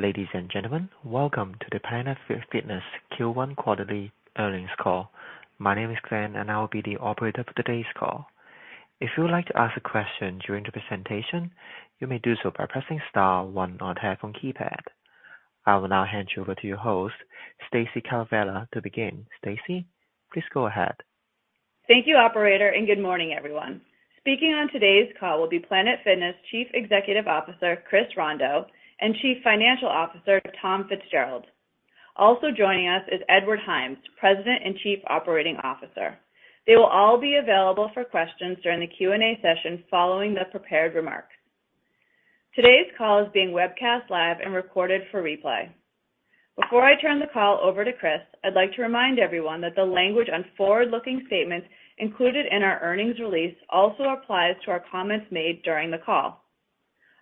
Ladies and gentlemen, welcome to the Planet Fitness Q1 quarterly earnings call. My name is Glenn. I will be the operator for today's call. If you would like to ask a question during the presentation, you may do so by pressing star one on your phone keypad. I will now hand you over to your host, Stacey Caravella, to begin. Stacy, please go ahead. Thank you, Operator. Good morning, everyone. Speaking on today's call will be Planet Fitness Chief Executive Officer, Chris Rondeau, and Chief Financial Officer, Tom Fitzgerald. Also joining us is Edward Hymes, President and Chief Operating Officer. They will all be available for questions during the Q&A session following the prepared remarks. Today's call is being webcast live and recorded for replay. Before I turn the call over to Chris, I'd like to remind everyone that the language on forward-looking statements included in our earnings release also applies to our comments made during the call.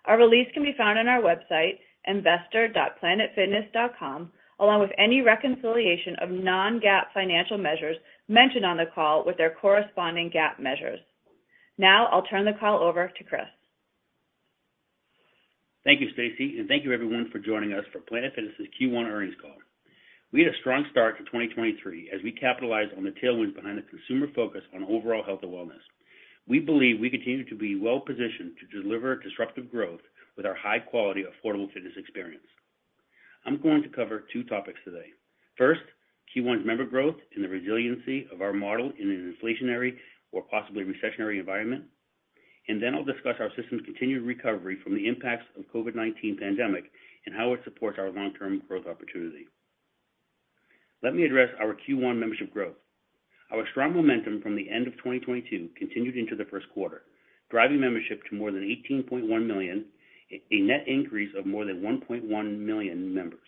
Our release can be found on our website, investor.planetfitness.com, along with any reconciliation of non-GAAP financial measures mentioned on the call with their corresponding GAAP measures. Now I'll turn the call over to Chris. Thank you, Stacy, thank you everyone for joining us for Planet Fitness's Q1 earnings call. We had a strong start to 2023 as we capitalize on the tailwinds behind the consumer focus on overall health and wellness. We believe we continue to be well-positioned to deliver disruptive growth with our high-quality, affordable fitness experience. I'm going to cover two topics today. First, Q1's member growth and the resiliency of our model in an inflationary or possibly recessionary environment. I'll discuss our system's continued recovery from the impacts of COVID-19 pandemic and how it supports our long-term growth opportunity. Let me address our Q1 membership growth. Our strong momentum from the end of 2022 continued into the first quarter, driving membership to more than 18.1 million, a net increase of more than 1.1 million members.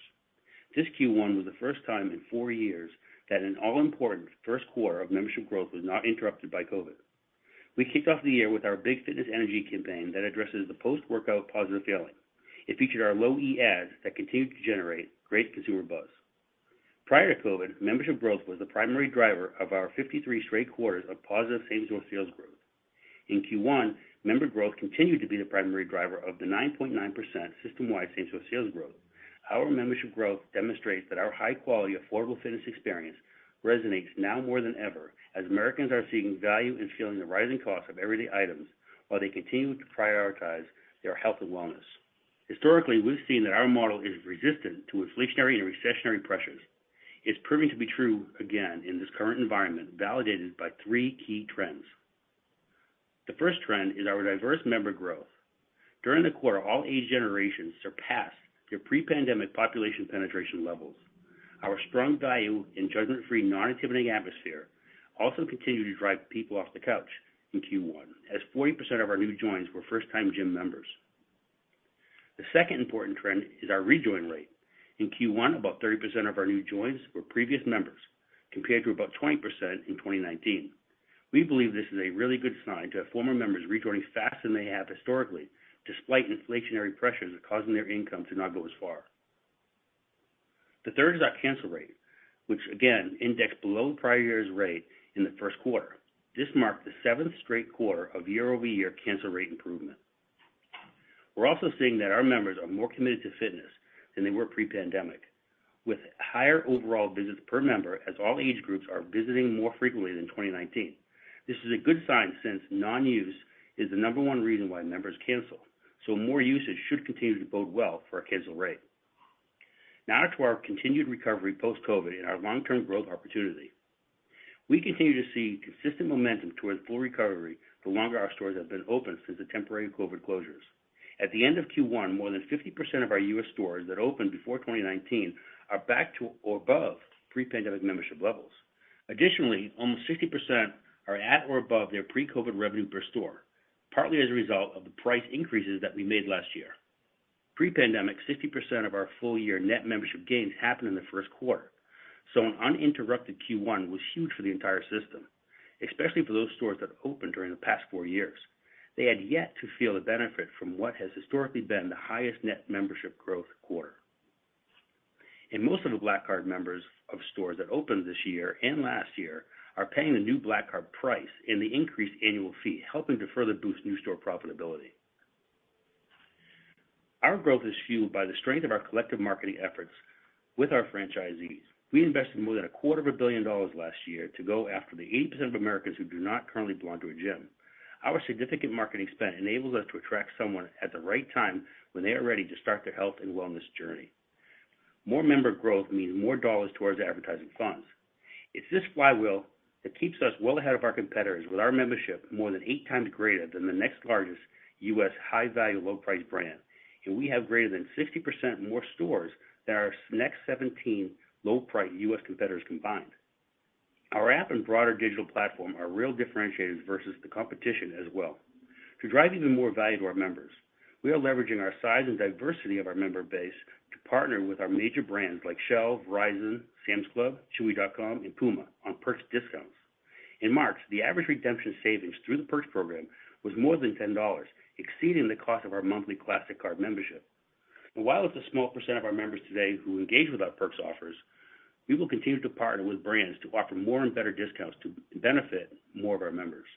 This Q1 was the first time in four years that an all-important first quarter of membership growth was not interrupted by COVID. We kicked off the year with our Big Fitness Energy campaign that addresses the post-workout positive feeling. It featured our Low E ads that continued to generate great consumer buzz. Prior to COVID, membership growth was the primary driver of our 53 straight quarters of positive same-store sales growth. In Q1, member growth continued to be the primary driver of the 9.9% system-wide same-store sales growth. Our membership growth demonstrates that our high-quality, affordable fitness experience resonates now more than ever as Americans are seeking value in feeling the rising cost of everyday items while they continue to prioritize their health and wellness. Historically, we've seen that our model is resistant to inflationary and recessionary pressures. It's proving to be true again in this current environment, validated by three key trends. The first trend is our diverse member growth. During the quarter, all age generations surpassed their pre-pandemic population penetration levels. Our strong value in judgment-free, non-intimidating atmosphere also continued to drive people off the couch in Q1, as 40% of our new joins were first-time gym members. The second important trend is our rejoin rate. In Q1, about 30% of our new joins were previous members, compared to about 20% in 2019. We believe this is a really good sign to have former members rejoining faster than they have historically, despite inflationary pressures causing their income to not go as far. The third is our cancel rate, which again indexed below the prior year's rate in the first quarter. This marked the seventh straight quarter of year-over-year cancel rate improvement. We're also seeing that our members are more committed to fitness than they were pre-pandemic, with higher overall visits per member as all age groups are visiting more frequently than 2019. This is a good sign since non-use is the number one reason why members cancel, so more usage should continue to bode well for our cancel rate. Now to our continued recovery post-COVID and our long-term growth opportunity. We continue to see consistent momentum towards full recovery the longer our stores have been open since the temporary COVID closures. At the end of Q1, more than 50% of our U.S. stores that opened before 2019 are back to or above pre-pandemic membership levels. Additionally, almost 60% are at or above their pre-COVID revenue per store, partly as a result of the price increases that we made last year. Pre-pandemic, 60% of our full-year net membership gains happened in the first quarter, so an uninterrupted Q1 was huge for the entire system, especially for those stores that opened during the past four years. They had yet to feel the benefit from what has historically been the highest net membership growth quarter. Most of the Black Card members of stores that opened this year and last year are paying the new Black Card price and the increased annual fee, helping to further boost new store profitability. Our growth is fueled by the strength of our collective marketing efforts with our franchisees. We invested more than a quarter of a billion dollars last year to go after the 80% of Americans who do not currently belong to a gym. Our significant marketing spend enables us to attract someone at the right time when they are ready to start their health and wellness journey. More member growth means more dollars towards advertising funds. It's this flywheel that keeps us well ahead of our competitors with our membership more than 8x greater than the next largest U.S. high-value, low-price brand. We have greater than 60% more stores than our next 17 low-price U.S. competitors combined. Our app and broader digital platform are real differentiators versus the competition as well. To drive even more value to our members, we are leveraging our size and diversity of our member base to partner with our major brands like Shell, Verizon, Sam's Club, Chewy.com, and Puma on perks discounts. In March, the average redemption savings through the perks program was more than $10, exceeding the cost of our monthly Classic membership. While it's a small % of our members today who engage with our perks offers, we will continue to partner with brands to offer more and better discounts to benefit more of our members.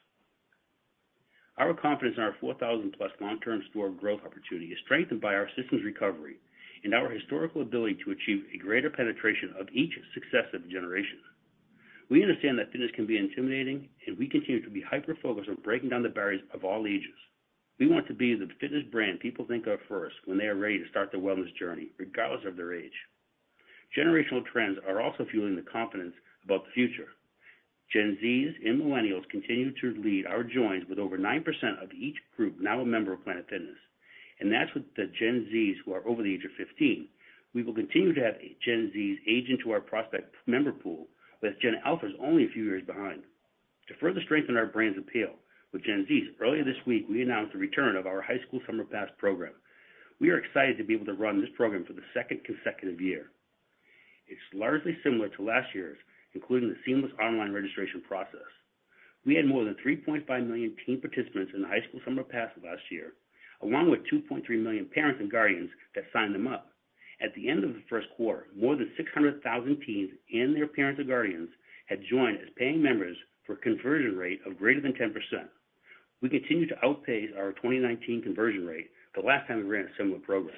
Our confidence in our 4,000+ long-term store growth opportunity is strengthened by our systems recovery and our historical ability to achieve a greater penetration of each successive generation. We understand that fitness can be intimidating, and we continue to be hyper-focused on breaking down the barriers of all ages. We want to be the fitness brand people think of first when they are ready to start their wellness journey, regardless of their age. Generational trends are also fueling the confidence about the future. Gen Zs and millennials continue to lead our joins, with over 9% of each group now a member of Planet Fitness. That's with the Gen Zs who are over the age of 15. We will continue to have Gen Zs age into our prospect member pool with Gen Alphas only a few years behind. To further strengthen our brand's appeal with Gen Zs, earlier this week, we announced the return of our High School Summer Pass program. We are excited to be able to run this program for the 2nd consecutive year. It's largely similar to last year's, including the seamless online registration process. We had more than 3.5 million teen participants in the High School Summer Pass last year, along with 2.3 million parents and guardians that signed them up. At the end of the first quarter, more than 600,000 teens and their parents or guardians had joined as paying members for a conversion rate of greater than 10%. We continue to outpace our 2019 conversion rate, the last time we ran a similar program.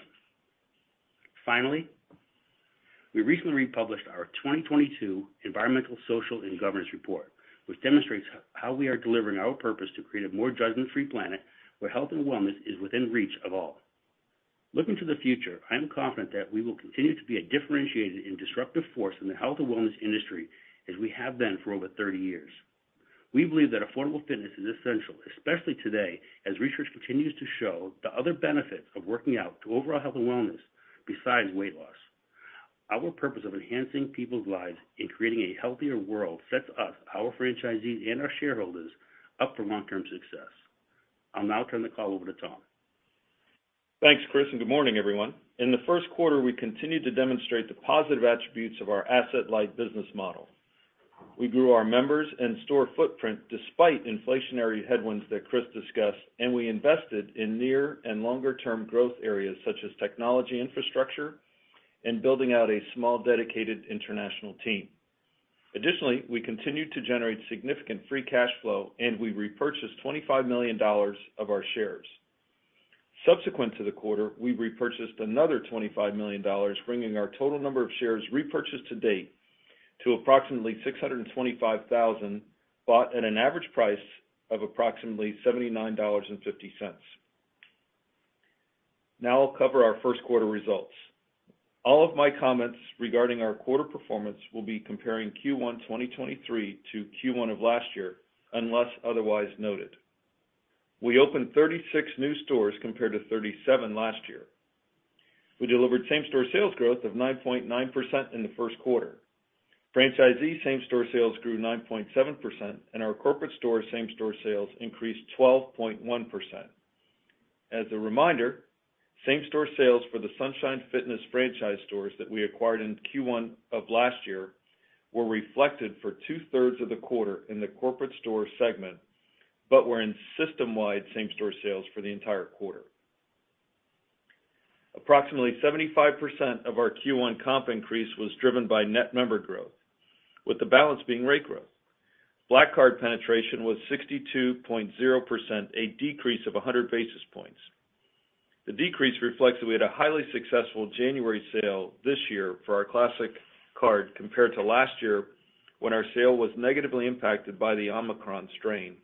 We recently republished our 2022 environmental, social, and governance report, which demonstrates how we are delivering our purpose to create a more judgment-free Planet where health and wellness is within reach of all. Looking to the future, I am confident that we will continue to be a differentiated and disruptive force in the health and wellness industry as we have been for over 30 years. We believe that affordable fitness is essential, especially today, as research continues to show the other benefits of working out to overall health and wellness besides weight loss. Our purpose of enhancing people's lives and creating a healthier world sets us, our franchisees, and our shareholders up for long-term success. I'll now turn the call over to Tom. Thanks, Chris. Good morning, everyone. In the first quarter, we continued to demonstrate the positive attributes of our asset-light business model. We grew our members and store footprint despite inflationary headwinds that Chris discussed, and we invested in near and longer-term growth areas such as technology infrastructure and building out a small, dedicated international team. Additionally, we continued to generate significant free cash flow, and we repurchased $25 million of our shares. Subsequent to the quarter, we repurchased another $25 million, bringing our total number of shares repurchased to date to approximately 625,000, bought at an average price of approximately $79.50. I'll cover our first quarter results. All of my comments regarding our quarter performance will be comparing Q1 2023 to Q1 of last year, unless otherwise noted. We opened 36 new stores compared to 37 last year. We delivered same-store sales growth of 9.9% in the first quarter. Franchisee same-store sales grew 9.7%, and our corporate store same-store sales increased 12.1%. As a reminder, same-store sales for the Sunshine Fitness franchise stores that we acquired in Q1 of last year were reflected for two-thirds of the quarter in the corporate store segment but were in system-wide same-store sales for the entire quarter. Approximately 75% of our Q1 comp increase was driven by net member growth, with the balance being rate growth. Black Card penetration was 62.0%, a decrease of 100 basis points. The decrease reflects that we had a highly successful January sale this year for our Classic Card compared to last year, when our sale was negatively impacted by the Omicron strain,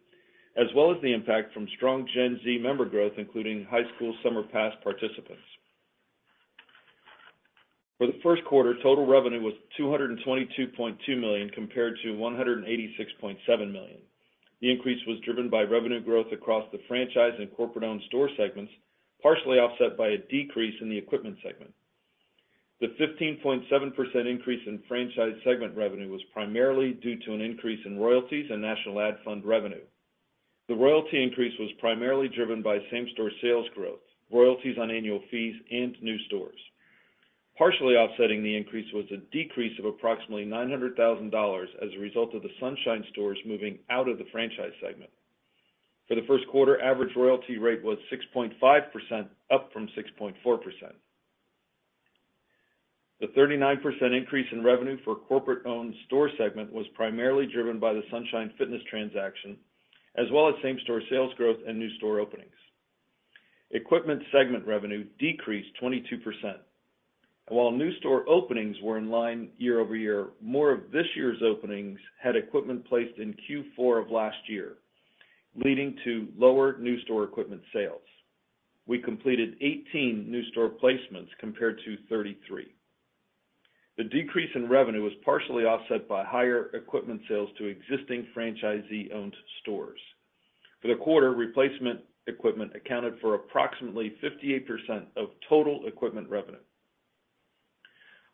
as well as the impact from strong Gen Z member growth, including High School Summer Pass participants. For the first quarter, total revenue was $222.2 million compared to $186.7 million. The increase was driven by revenue growth across the franchise and corporate-owned store segments, partially offset by a decrease in the equipment segment. The 15.7% increase in franchise segment revenue was primarily due to an increase in royalties and National Ad Fund revenue. The royalty increase was primarily driven by same-store sales growth, royalties on annual fees, and new stores. Partially offsetting the increase was a decrease of approximately $900,000 as a result of the Sunshine stores moving out of the franchise segment. For the first quarter, average royalty rate was 6.5%, up from 6.4%. The 39% increase in revenue for corporate-owned store segment was primarily driven by the Sunshine Fitness transaction as well as same-store sales growth and new store openings. Equipment segment revenue decreased 22%. While new store openings were in line year-over-year, more of this year's openings had equipment placed in Q4 of last year, leading to lower new store equipment sales. We completed 18 new store placements compared to 33. The decrease in revenue was partially offset by higher equipment sales to existing franchisee-owned stores. For the quarter, replacement equipment accounted for approximately 58% of total equipment revenue.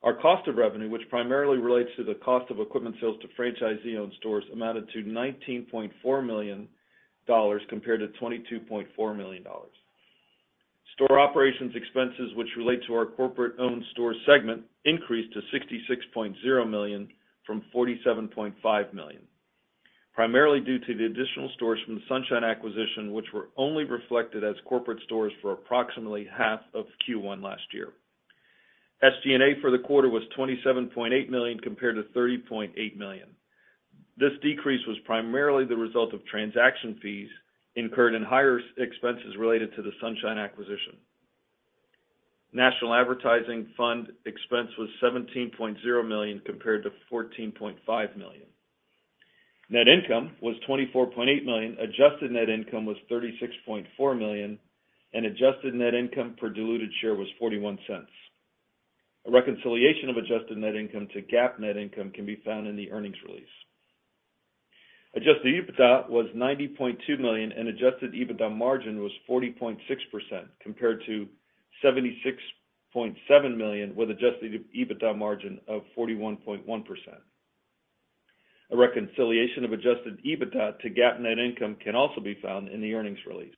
Our cost of revenue, which primarily relates to the cost of equipment sales to franchisee-owned stores, amounted to $19.4 million compared to $22.4 million. Store operations expenses which relate to our corporate-owned store segment increased to $66.0 million from $47.5 million, primarily due to the additional stores from the Sunshine acquisition, which were only reflected as corporate stores for approximately half of Q1 last year. SG&A for the quarter was $27.8 million compared to $30.8 million. This decrease was primarily the result of transaction fees incurred in higher expenses related to the Sunshine acquisition. National Advertising Fund expense was $17.0 million compared to $14.5 million. Net income was $24.8 million, adjusted net income was $36.4 million, and adjusted net income per diluted share was $0.41. A reconciliation of adjusted net income to GAAP net income can be found in the earnings release. Adjusted EBITDA was $90.2 million, and adjusted EBITDA margin was 40.6%, compared to $76.7 million with adjusted EBITDA margin of 41.1%. A reconciliation of adjusted EBITDA to GAAP net income can also be found in the earnings release.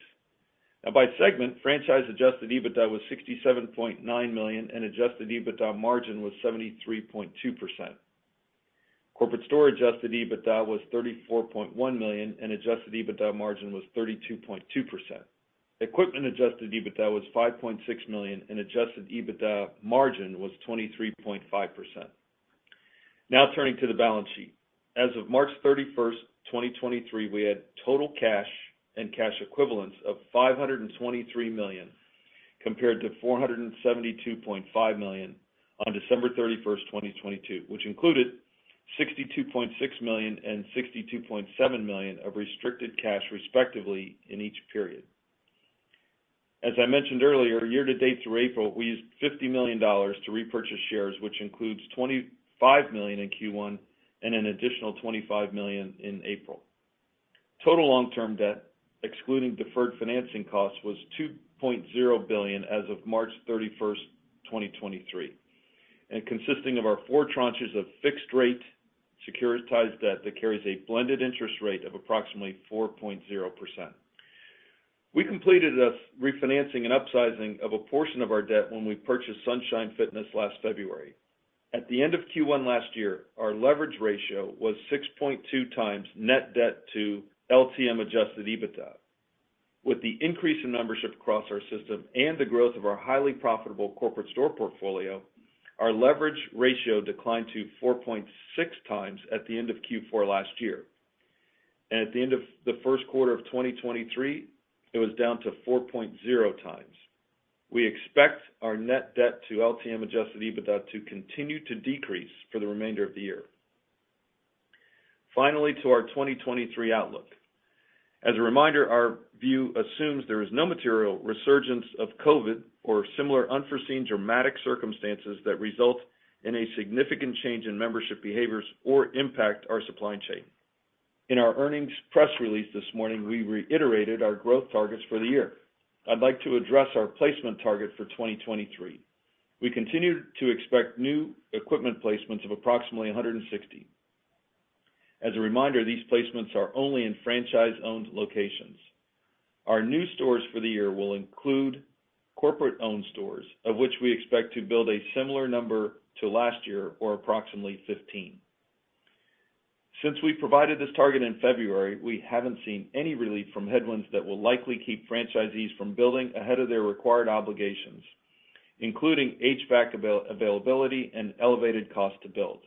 By segment, franchise adjusted EBITDA was $67.9 million, and adjusted EBITDA margin was 73.2%. Corporate store adjusted EBITDA was $34.1 million, and adjusted EBITDA margin was 32.2%. Equipment adjusted EBITDA was $5.6 million, and adjusted EBITDA margin was 23.5%. Turning to the balance sheet. As of March 31, 2023, we had total cash and cash equivalents of $523 million, compared to $472.5 million on December 31, 2022, which included $62.6 million and $62.7 million of restricted cash, respectively, in each period. As I mentioned earlier, year-to-date through April, we used $50 million to repurchase shares, which includes $25 million in Q1 and an additional $25 million in April. Total long-term debt, excluding deferred financing costs, was $2.0 billion as of March 31, 2023, and consisting of our four tranches of fixed rate securitized debt that carries a blended interest rate of approximately 4.0%. We completed a refinancing and upsizing of a portion of our debt when we purchased Sunshine Fitness last February. At the end of Q1 last year, our leverage ratio was 6.2x net debt to LTM adjusted EBITDA. With the increase in membership across our system and the growth of our highly profitable corporate store portfolio, our leverage ratio declined to 4.6x at the end of Q4 last year. At the end of the first quarter of 2023, it was down to 4.0x. We expect our net debt to LTM adjusted EBITDA to continue to decrease for the remainder of the year. Finally, to our 2023 outlook. As a reminder, our view assumes there is no material resurgence of COVID or similar unforeseen dramatic circumstances that result in a significant change in membership behaviors or impact our supply chain. In our earnings press release this morning, we reiterated our growth targets for the year. I'd like to address our placement target for 2023. We continue to expect new equipment placements of approximately 160. As a reminder, these placements are only in franchise-owned locations. Our new stores for the year will include corporate-owned stores, of which we expect to build a similar number to last year or approximately 15. Since we provided this target in February, we haven't seen any relief from headwinds that will likely keep franchisees from building ahead of their required obligations, including HVAC availability and elevated cost to build.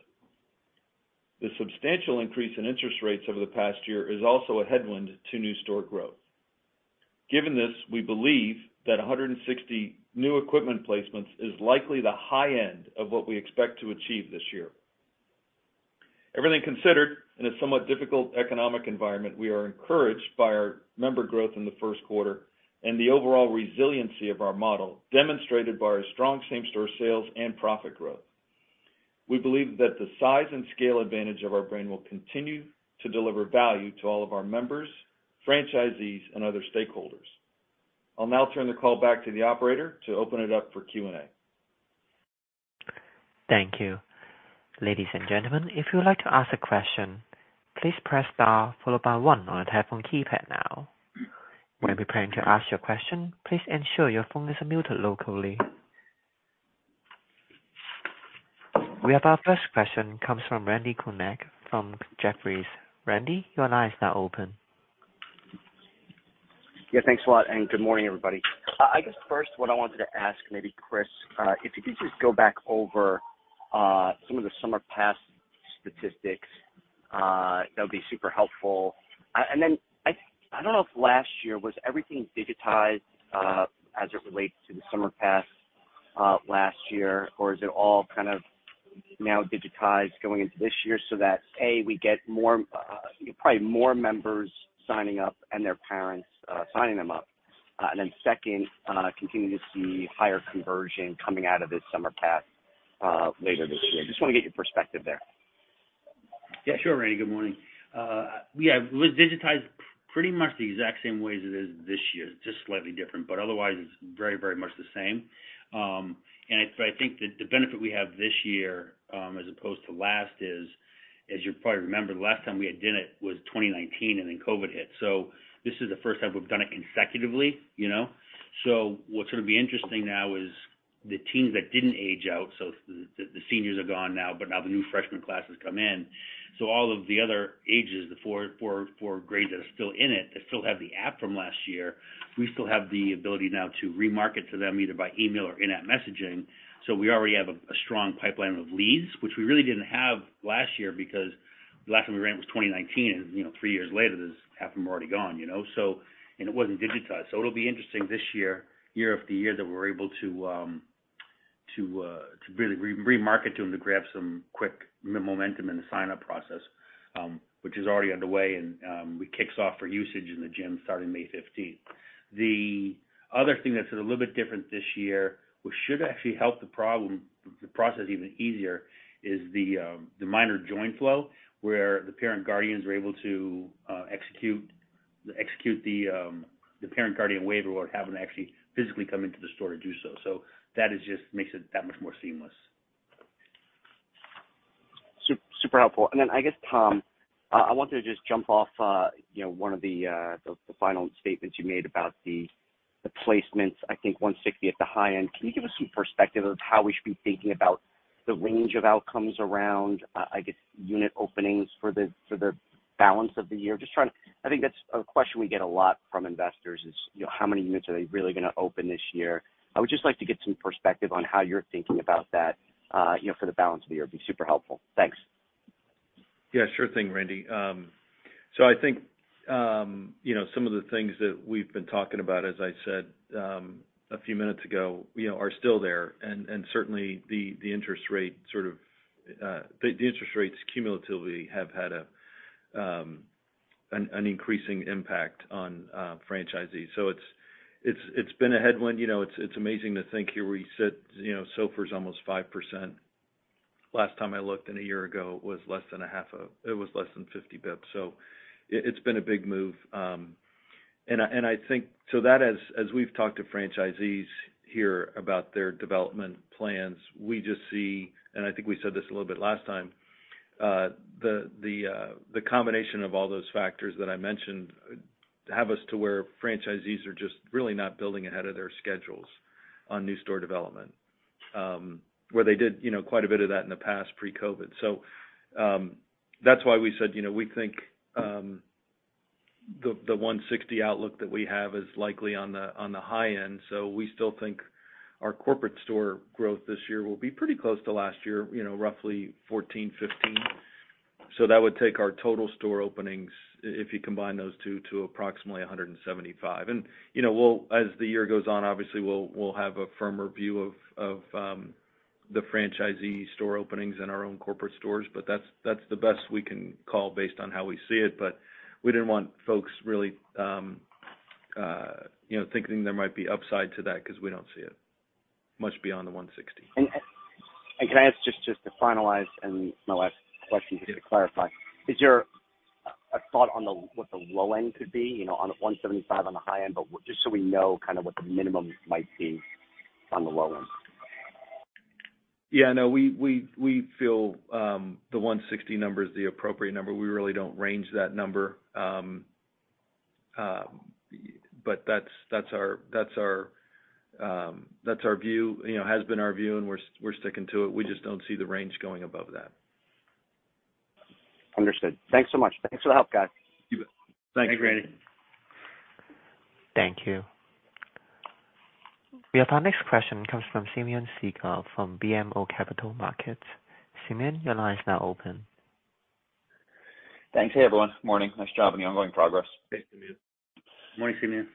The substantial increase in interest rates over the past year is also a headwind to new store growth. Given this, we believe that 160 new equipment placements is likely the high end of what we expect to achieve this year. Everything considered, in a somewhat difficult economic environment, we are encouraged by our member growth in the first quarter and the overall resiliency of our model, demonstrated by our strong same-store sales and profit growth. We believe that the size and scale advantage of our brand will continue to deliver value to all of our members, franchisees, and other stakeholders. I'll now turn the call back to the operator to open it up for Q&A. Thank you. Ladies and gentlemen, if you would like to ask a question, please press star followed by one on your telephone keypad now. When preparing to ask your question, please ensure your phone is muted locally. We have our first question comes from Randal Konik from Jefferies. Randal, your line is now open. Yeah, thanks a lot. Good morning, everybody. I guess first what I wanted to ask, maybe Chris, if you could just go back over some of the Summer Pass statistics, that would be super helpful. I don't know if last year was everything digitized as it relates to the Summer Pass last year, or is it all kind of now digitized going into this year so that, A, we get more, probably more members signing up and their parents, signing them up. Second, continue to see higher conversion coming out of this Summer Pass later this year. Just wanna get your perspective there. Yeah, sure, Randal. Good morning. It was digitized pretty much the exact same way as it is this year. It's just slightly different, but otherwise it's very, very much the same. I think that the benefit we have this year, as opposed to last is, as you probably remember, the last time we had done it was 2019, and then COVID hit. This is the first time we've done it consecutively, you know? What's gonna be interesting now is the teens that didn't age out. The seniors are gone now, but now the new freshman class has come in. All of the other ages, the four grades that are still in it, that still have the app from last year, we still have the ability now to re-market to them either by email or in-app messaging. We already have a strong pipeline of leads, which we really didn't have last year because the last time we ran it was 2019 and, you know, three years later, half of them are already gone, you know. It wasn't digitized. It'll be interesting this year of the year that we're able to really re-market to them to grab some quick momentum in the sign-up process, which is already underway and we kicks off for usage in the gym starting May 15th. The other thing that's a little bit different this year, which should actually help the process even easier, is the minor join flow, where the parent/guardians are able to execute the parent/guardian waiver without having to actually physically come into the store to do so. That is just makes it that much more seamless. Super helpful. I guess, Tom, I wanted to just jump off, you know, one of the final statements you made about the placements, I think 160 at the high end. Can you give us some perspective of how we should be thinking about the range of outcomes around, I guess, unit openings for the balance of the year? I think that's a question we get a lot from investors is, you know, how many units are they really gonna open this year? I would just like to get some perspective on how you're thinking about that, you know, for the balance of the year. It'd be super helpful. Thanks. Yeah, sure thing, Randal. I think, you know, some of the things that we've been talking about, as I said, a few minutes ago, you know, are still there. Certainly the interest rate sort of, the interest rates cumulatively have had an increasing impact on franchisees. It's been a headwind. You know, it's amazing to think here where you sit, you know, SOFR is almost 5%. Last time I looked and a year ago, it was less than 50 basis points. It's been a big move. I think that as we've talked to franchisees here about their development plans, we just see, and I think we said this a little bit last time, the combination of all those factors that I mentioned have us to where franchisees are just really not building ahead of their schedules on new store development, where they did, you know, quite a bit of that in the past pre-COVID. That's why we said, you know, we think the 160 outlook that we have is likely on the high end. We still think our corporate store growth this year will be pretty close to last year, you know, roughly 14, 15. That would take our total store openings if you combine those two to approximately 175. You know, as the year goes on, obviously we'll have a firmer view of, the franchisee store openings and our own corporate stores, but that's the best we can call based on how we see it. We didn't want folks really, you know, thinking there might be upside to that because we don't see it much beyond the 160. Can I ask just to finalize and my last question to clarify, is there a thought on what the low end could be, you know, on a 175 on the high end, but just so we know kind of what the minimum might be on the low end? Yeah, no, we feel the 160 number is the appropriate number. We really don't range that number. That's our view, you know, has been our view, and we're sticking to it. We just don't see the range going above that. Understood. Thanks so much. Thanks for the help, guys. You bet. Thanks. Thanks, Randal. Thank you. We have our next question comes from Simeon Siegel from BMO Capital Markets. Simeon, your line is now open. Thanks. Hey, everyone. Morning. Nice job on the ongoing progress. Thanks, Simeon. Morning, Simeon.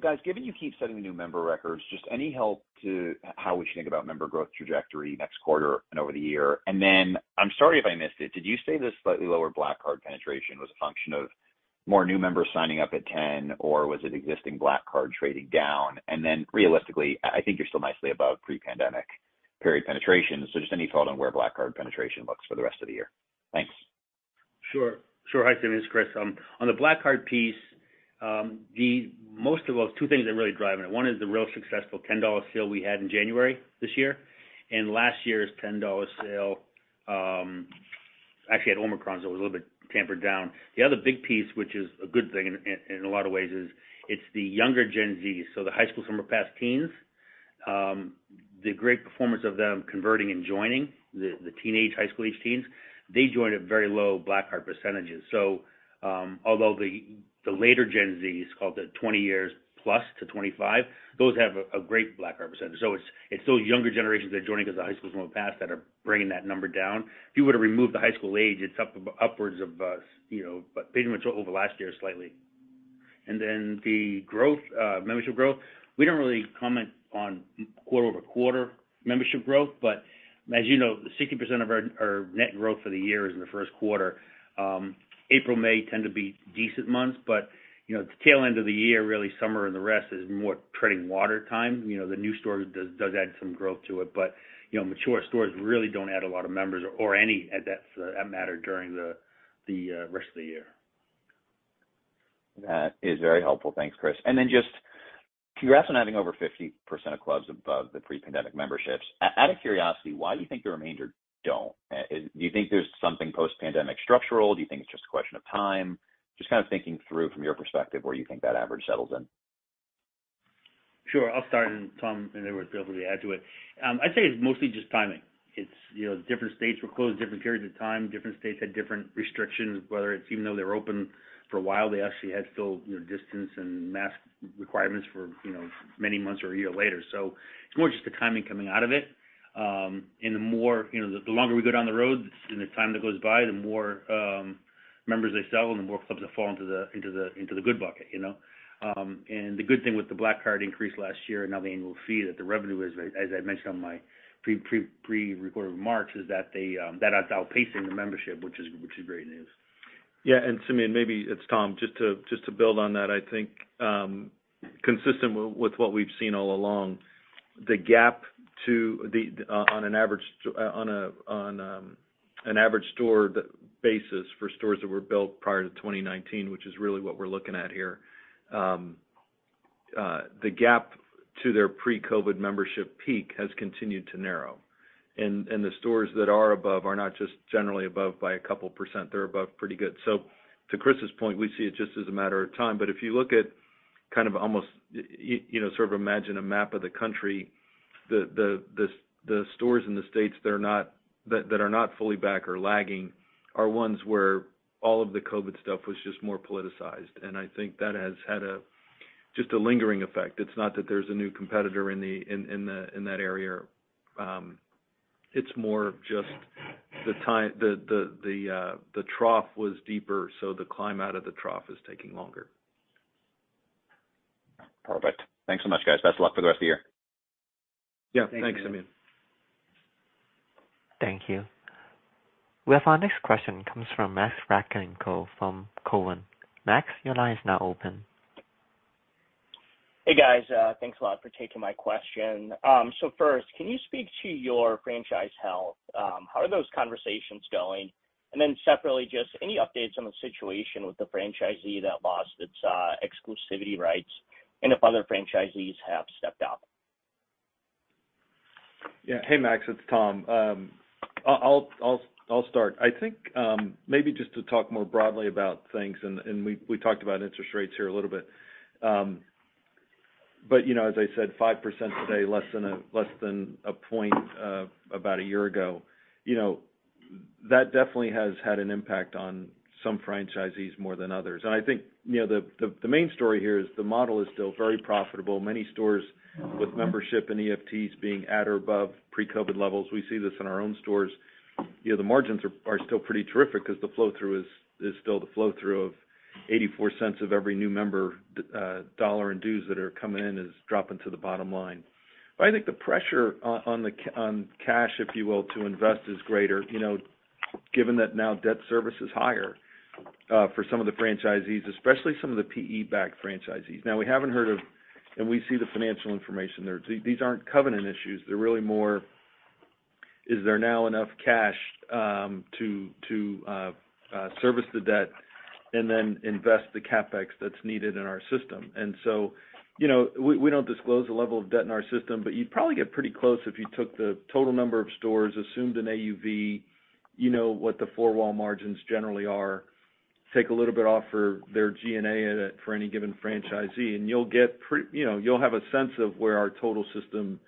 Guys, given you keep setting the new member records, just any help to how we should think about member growth trajectory next quarter and over the year? I'm sorry if I missed it. Did you say the slightly lower Black Card penetration was a function of more new members signing up at $10, or was it existing Black Card trading down? Realistically, I think you're still nicely above pre-pandemic period penetration. Just any thought on where Black Card penetration looks for the rest of the year? Thanks. Sure. Sure. Hi, Simeon. It's Chris. On the PF Black Card piece, well, two things are really driving it. One is the real successful $10 sale we had in January this year. Last year's $10 sale, actually at Omicron, so it was a little bit tampered down. The other big piece, which is a good thing in a lot of ways, is it's the younger Gen Zs, so the High School Summer Pass teens, the great performance of them converting and joining the teenage high school-aged teens, they join at very low PF Black Card %. Although the later Gen Z is called the 20 years+ to 25, those have a great PF Black Card %. it's those younger generations that are joining because the High School Summer Pass that are bringing that number down. If you were to remove the high school age, it's up, upwards of, you know, but pretty much over last year, slightly. the growth, membership growth, we don't really comment on quarter-over-quarter membership growth, but as you know, 60% of our net growth for the year is in the first quarter. April, May tend to be decent months, but, you know, the tail end of the year, really summer and the rest is more treading water time. You know, the new store does add some growth to it. mature stores really don't add a lot of members or any at that matter during the rest of the year. That is very helpful. Thanks, Chris. Just congrats on having over 50% of clubs above the pre-pandemic memberships. Out of curiosity, why do you think the remainder don't? Do you think there's something post-pandemic structural? Do you think it's just a question of time? Just kind of thinking through from your perspective, where you think that average settles in. Sure. I'll start and Tom may be able to add to it. I'd say it's mostly just timing. It's, you know, different states were closed different periods of time. Different states had different restrictions, whether it's even though they were open for a while, they actually had still, you know, distance and mask requirements for, you know, many months or a year later. It's more just the timing coming out of it. The more, you know, the longer we go down the road and the time that goes by, the more members they sell and the more clubs that fall into the good bucket, you know. The good thing with the Black Card increase last year and now the annual fee that the revenue is, as I mentioned on my pre-recorded remarks, is that they, that is outpacing the membership, which is great news. Simeon, maybe it's Tom, just to build on that. I think consistent with what we've seen all along, the gap to the on an average store basis for stores that were built prior to 2019, which is really what we're looking at here. The gap to their pre-COVID membership peak has continued to narrow. The stores that are above are not just generally above by a couple %, they're above pretty good. To Chris's point, we see it just as a matter of time. If you look at kind of almost, you know, sort of imagine a map of the country, the stores in the states that are not, that are not fully back or lagging are ones where all of the COVID stuff was just more politicized. I think that has had a, just a lingering effect. It's not that there's a new competitor in that area. It's more just the trough was deeper, so the climb out of the trough is taking longer. Perfect. Thanks so much, guys. Best of luck for the rest of the year. Yeah. Thanks, Simeon. Thank you. We have our next question comes from Max Rakhlenko from Cowen. Max, your line is now open. Hey, guys. Thanks a lot for taking my question. First, can you speak to your franchise health? How are those conversations going? Separately, just any updates on the situation with the franchisee that lost its exclusivity rights and if other franchisees have stepped up? Hey, Max, it's Tom. I'll start. I think, maybe just to talk more broadly about things, and we talked about interest rates here a little bit. You know, as I said, 5% today, less than a point, about a year ago. You know, that definitely has had an impact on some franchisees more than others. I think, you know, the main story here is the model is still very profitable. Many stores with membership and EFTs being at or above pre-COVID levels. We see this in our own stores. You know, the margins are still pretty terrific because the flow through is still the flow through of $0.84 of every new member dollar in dues that are coming in is dropping to the bottom line. I think the pressure on cash, if you will, to invest is greater, you know, given that now debt service is higher for some of the franchisees, especially some of the PE-backed franchisees. We haven't heard of, and we see the financial information there. These aren't covenant issues. They're really more is there now enough cash to service the debt and then invest the CapEx that's needed in our system. You know, we don't disclose the level of debt in our system, but you'd probably get pretty close if you took the total number of stores, assumed an AUV, you know what the four wall margins generally are. Take a little bit off for their G&A at it for any given franchisee, and you'll get pre... You know, you'll have a sense of where our total system,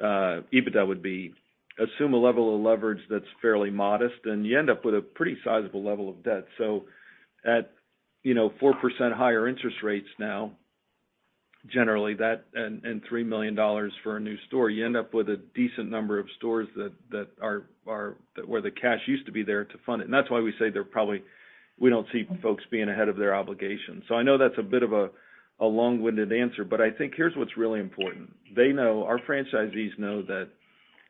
EBITDA would be. Assume a level of leverage that's fairly modest, and you end up with a pretty sizable level of debt. At, you know, 4% higher interest rates now, generally, that and $3 million for a new store, you end up with a decent number of stores that are where the cash used to be there to fund it. That's why we say we don't see folks being ahead of their obligations. I know that's a bit of a long-winded answer, but I think here's what's really important. Our franchisees know that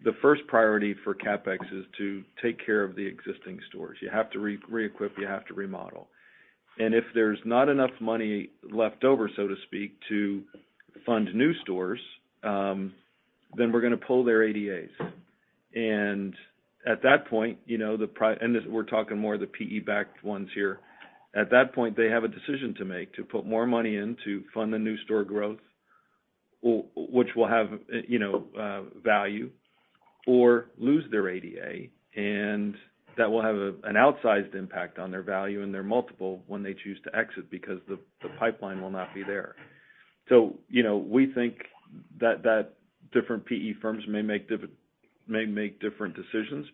the first priority for CapEx is to take care of the existing stores. You have to re-equip, you have to remodel. If there's not enough money left over, so to speak, to fund new stores, then we're gonna pull their ADAs. At that point, you know, and we're talking more the PE-backed ones here. At that point, they have a decision to make to put more money in to fund the new store growth, which will have, you know, value or lose their ADA, and that will have an outsized impact on their value and their multiple when they choose to exit because the pipeline will not be there. You know, we think that different PE firms may make different decisions.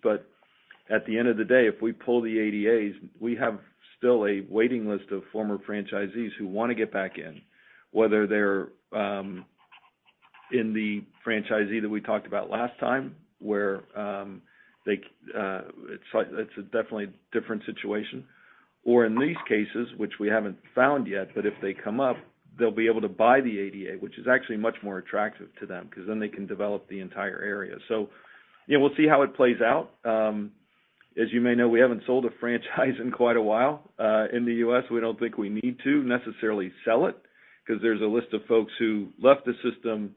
At the end of the day, if we pull the ADAs, we have still a waiting list of former franchisees who wanna get back in, whether they're in the franchisee that we talked about last time, where they, it's a definitely different situation. In these cases, which we haven't found yet, but if they come up, they'll be able to buy the ADA, which is actually much more attractive to them because then they can develop the entire area. Yeah, we'll see how it plays out. As you may know, we haven't sold a franchise in quite a while in the U.S. We don't think we need to necessarily sell it because there's a list of folks who left the system,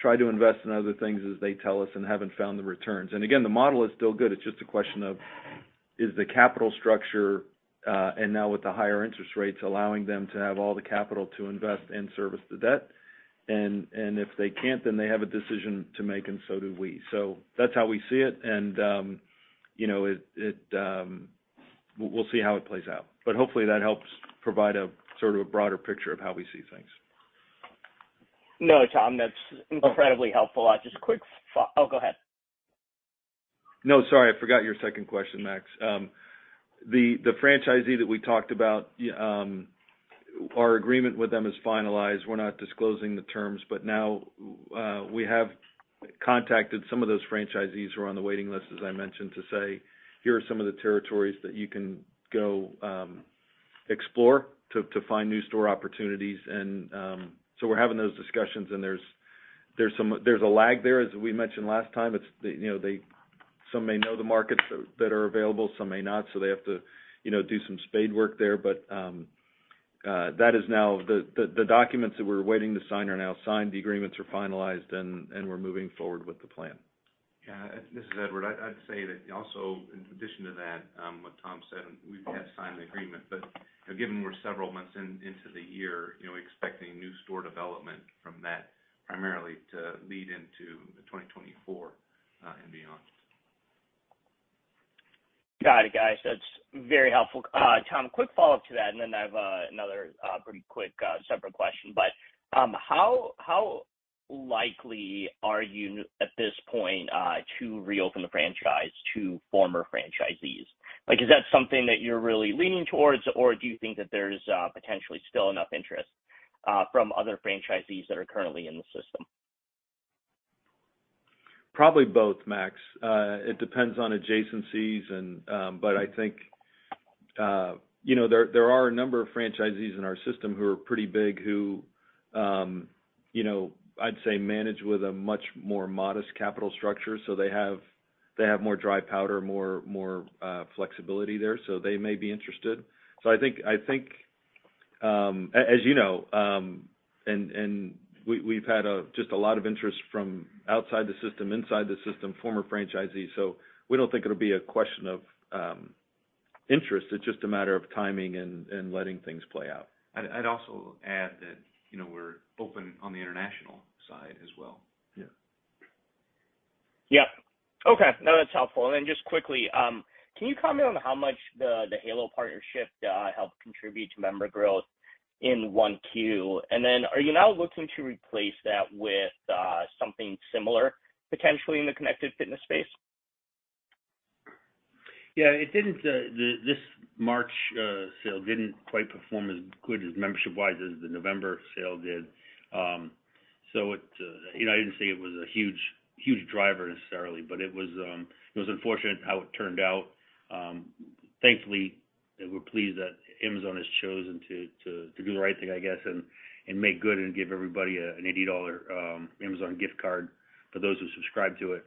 tried to invest in other things as they tell us, and haven't found the returns. Again, the model is still good. It's just a question of, is the capital structure, and now with the higher interest rates, allowing them to have all the capital to invest and service the debt. If they can't, then they have a decision to make, and so do we. That's how we see it. You know, it, We'll see how it plays out. Hopefully that helps provide a sort of a broader picture of how we see things. No, Tom, that's incredibly helpful. Oh, go ahead. No, sorry, I forgot your second question, Max. The franchisee that we talked about, our agreement with them is finalized. We're not disclosing the terms, but now, we have contacted some of those franchisees who are on the waiting list, as I mentioned, to say, "Here are some of the territories that you can go, explore to find new store opportunities." We're having those discussions, and there's a lag there, as we mentioned last time. It's, you know, Some may know the markets that are available, some may not, so they have to, you know, do some spade work there. That is now the documents that we're waiting to sign are now signed, the agreements are finalized and we're moving forward with the plan. Yeah. This is Edward. I'd say that also, in addition to that, what Tom said, we've yet signed the agreement. Given we're several months into the year, you know, expecting new store development from that primarily to lead into 2024 and beyond. Got it, guys. That's very helpful. Tom, quick follow-up to that, and then I have another pretty quick separate question. How likely are you at this point to reopen the franchise to former franchisees? Like, is that something that you're really leaning towards, or do you think that there's potentially still enough interest from other franchisees that are currently in the system? Probably both, Max. It depends on adjacencies and, I think, you know, there are a number of franchisees in our system who are pretty big who, you know, I'd say manage with a much more modest capital structure. They have more dry powder, more flexibility there, so they may be interested. I think, as you know, and we've had a just a lot of interest from outside the system, inside the system, former franchisees. We don't think it'll be a question of interest. It's just a matter of timing and letting things play out. I'd also add that you know, we're open on the international side as well. Yeah. Yep. Okay. No, that's helpful. Just quickly, can you comment on how much the Halo partnership helped contribute to member growth in 1Q? Are you now looking to replace that with something similar potentially in the connected fitness space? It didn't, this March, sale didn't quite perform as good as membership-wise as the November sale did. It, you know, I didn't say it was a huge driver necessarily, but it was unfortunate how it turned out. Thankfully, we're pleased that Amazon has chosen to do the right thing, I guess, and make good and give everybody an $80 Amazon gift card for those who subscribe to it.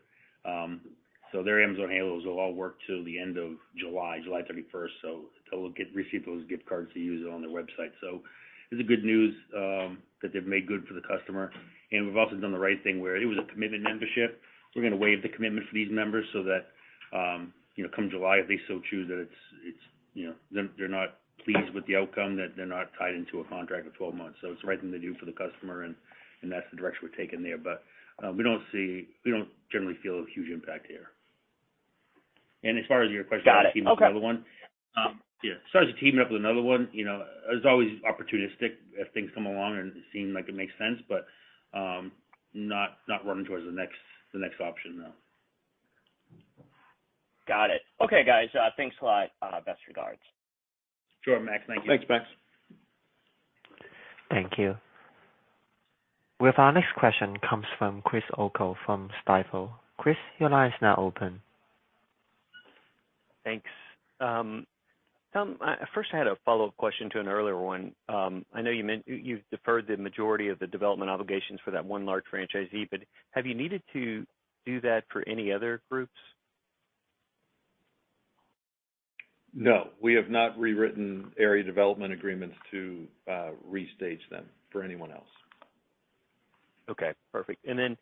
Their Amazon Halos will all work till the end of July 31st. They'll receive those gift cards to use it on their website. It's a good news that they've made good for the customer. We've also done the right thing where it was a commitment membership. We're gonna waive the commitment for these members so that, you know, come July, if they so choose that it's, you know, they're not pleased with the outcome, that they're not tied into a contract for 12 months. It's the right thing to do for the customer, and that's the direction we're taking there. We don't generally feel a huge impact here. As far as your question about teaming with another one- Got it. Okay. Yeah. As far as teaming up with another one, you know, it's always opportunistic if things come along and seem like it makes sense, but not running towards the next option, no. Got it. Okay, guys. Thanks a lot. Best regards. Sure, Max. Thank you. Thanks, Max. Thank you. With our next question comes from Chris O'Cull from Stifel. Chris, your line is now open. Thanks. Tom, first I had a follow-up question to an earlier one. I know you've deferred the majority of the development obligations for that one large franchisee, but have you needed to do that for any other groups? No. We have not rewritten area development agreements to restage them for anyone else. Okay. Perfect. Then,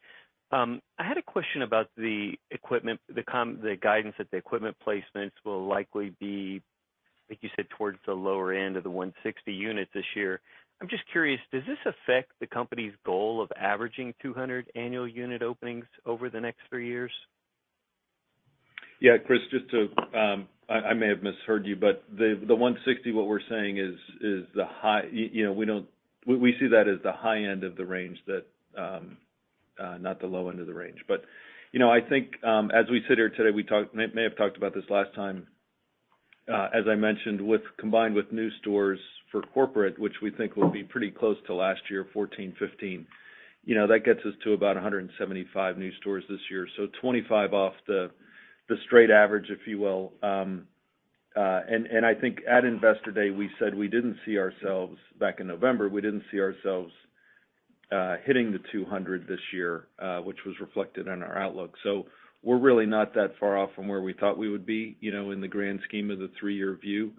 I had a question about the equipment, the guidance that the equipment placements will likely be, I think you said towards the lower end of the 160 units this year. I'm just curious, does this affect the company's goal of averaging 200 annual unit openings over the next three years? Yeah, Chris, just to, I may have misheard you, but the 160, what we're saying is the high, you know, we see that as the high end of the range that, not the low end of the range. You know, I think, as we sit here today, we talked, may have talked about this last time, as I mentioned, combined with new stores for corporate, which we think will be pretty close to last year, 14, 15. You know, that gets us to about 175 new stores this year. 25 off the straight average, if you will. I think at Investor Day, we said we didn't see ourselves, back in November, we didn't see ourselves, hitting the 200 this year, which was reflected in our outlook. We're really not that far off from where we thought we would be, you know, in the grand scheme of the three-year view.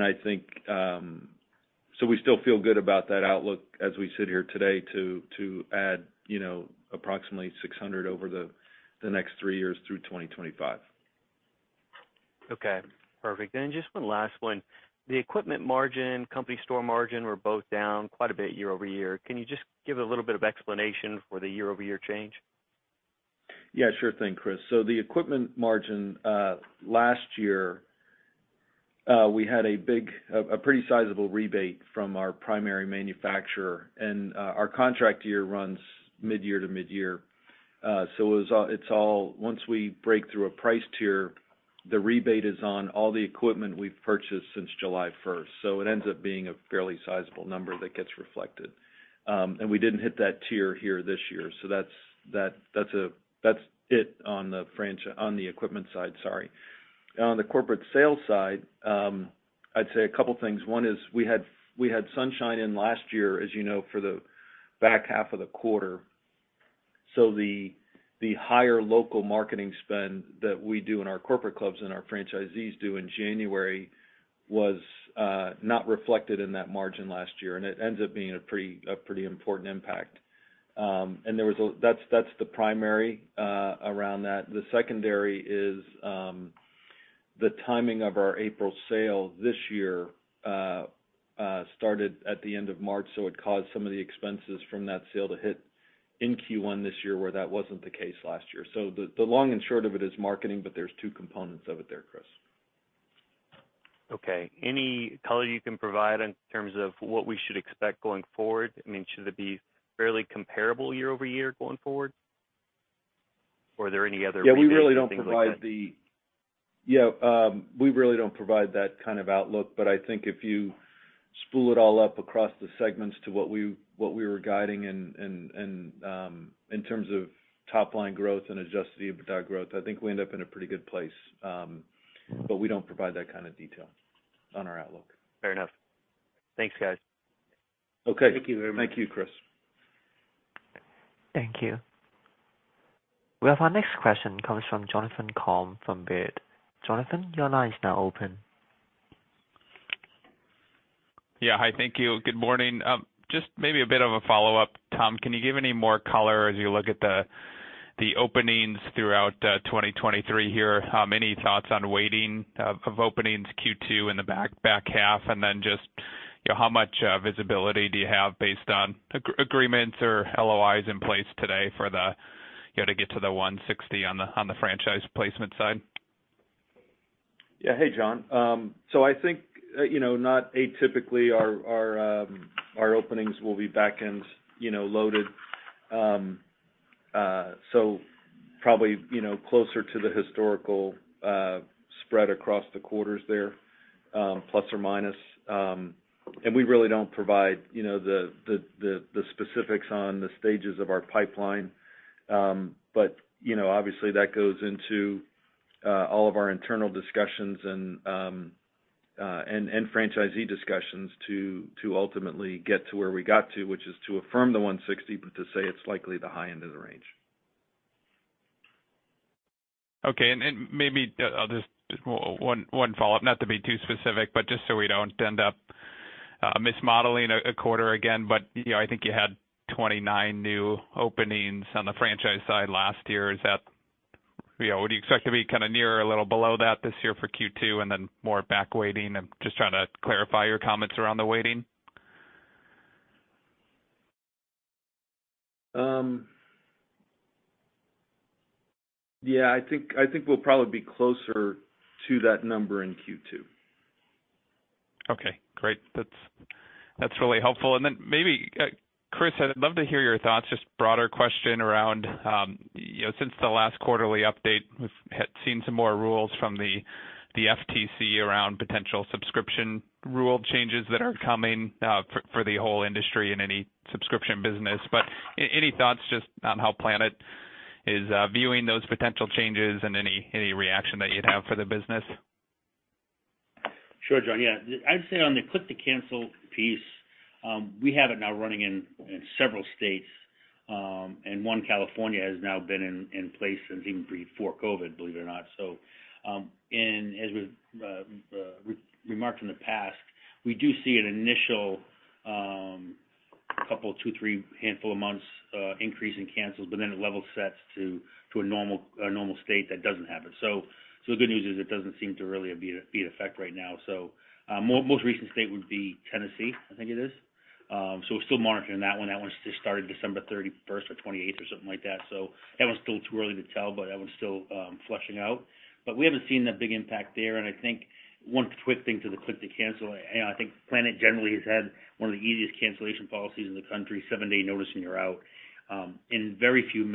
I think, so we still feel good about that outlook as we sit here today to add, you know, approximately 600 over the next three years through 2025. Okay. Perfect. Just one last one. The equipment margin, company store margin were both down quite a bit year-over-year. Can you just give a little bit of explanation for the year-over-year change? Yeah, sure thing, Chris. The equipment margin, last year, we had a pretty sizable rebate from our primary manufacturer, our contract year runs mid-year to mid-year. It's all once we break through a price tier, the rebate is on all the equipment we've purchased since July 1st. It ends up being a fairly sizable number that gets reflected. We didn't hit that tier here this year, so that's it on the equipment side, sorry. On the corporate sales side, I'd say a couple things. One is we had Sunshine in last year, as you know, for the back half of the quarter. The higher local marketing spend that we do in our corporate clubs and our franchisees do in January was not reflected in that margin last year, and it ends up being a pretty important impact. That's the primary around that. The secondary is the timing of our April sale this year started at the end of March, so it caused some of the expenses from that sale to hit in Q1 this year, where that wasn't the case last year. The long and short of it is marketing, but there's two components of it there, Chris. Okay. Any color you can provide in terms of what we should expect going forward? I mean, should it be fairly comparable year-over-year going forward? Are there any other rebates or things like that? We really don't provide the... we really don't provide that kind of outlook, but I think if you spool it all up across the segments to what we were guiding and, in terms of top line growth and adjusted EBITDA growth, I think we end up in a pretty good place. We don't provide that kind of detail on our outlook. Fair enough. Thanks, guys. Okay. Thank you very much. Thank you, Chris. Thank you. Well, our next question comes from Jonathan Komp from Baird. Jonathan, your line is now open. Yeah. Hi. Thank you. Good morning. Just maybe a bit of a follow-up, Tom. Can you give any more color as you look at the openings throughout 2023 here? Any thoughts on weighting of openings Q2 in the back half? Just, you know, how much visibility do you have based on agreements or LOIs in place today for the, you know, to get to the 160 on the franchise placement side? Yeah. Hey, Jon. So I think, you know, not atypically our openings will be back-end, you know, loaded. So probably, you know, closer to the historical spread across the quarters there, plus or minus. And we really don't provide, you know, the specifics on the stages of our pipeline. But, you know, obviously that goes into all of our internal discussions and and franchisee discussions to ultimately get to where we got to, which is to affirm the 160, but to say it's likely the high end of the range. Okay. Then maybe I'll just one follow-up. Not to be too specific, but just so we don't end up mismodeling a quarter again. You know, I think you had 29 new openings on the franchise side last year. Is that... You know, would you expect to be kind of near or a little below that this year for Q2 and then more back weighting? I'm just trying to clarify your comments around the weighting. I think we'll probably be closer to that number in Q2. Okay, great. That's really helpful. Then maybe, Chris, I'd love to hear your thoughts, just broader question around, you know, since the last quarterly update, we've had seen some more rules from the FTC around potential subscription rule changes that are coming for the whole industry in any subscription business. Any thoughts just on how Planet is viewing those potential changes and any reaction that you'd have for the business? Sure, Jon. Yeah. I'd say on the click-to-cancel piece, we have it now running in several states, one, California, has now been in place since even before COVID, believe it or not. As we've remarked in the past, we do see an initial two, three handful of months increase in cancels, it level sets to a normal state that doesn't have it. The good news is it doesn't seem to really be in effect right now. Most recent state would be Tennessee, I think it is. We're still monitoring that one. That one just started December 31st or 28th or something like that. That one's still too early to tell, that one's still fleshing out. We haven't seen that big impact there. I think one twisting to the click-to-cancel, I think Planet generally has had one of the easiest cancellation policies in the country, seven-day notice and you're out. Very, very few of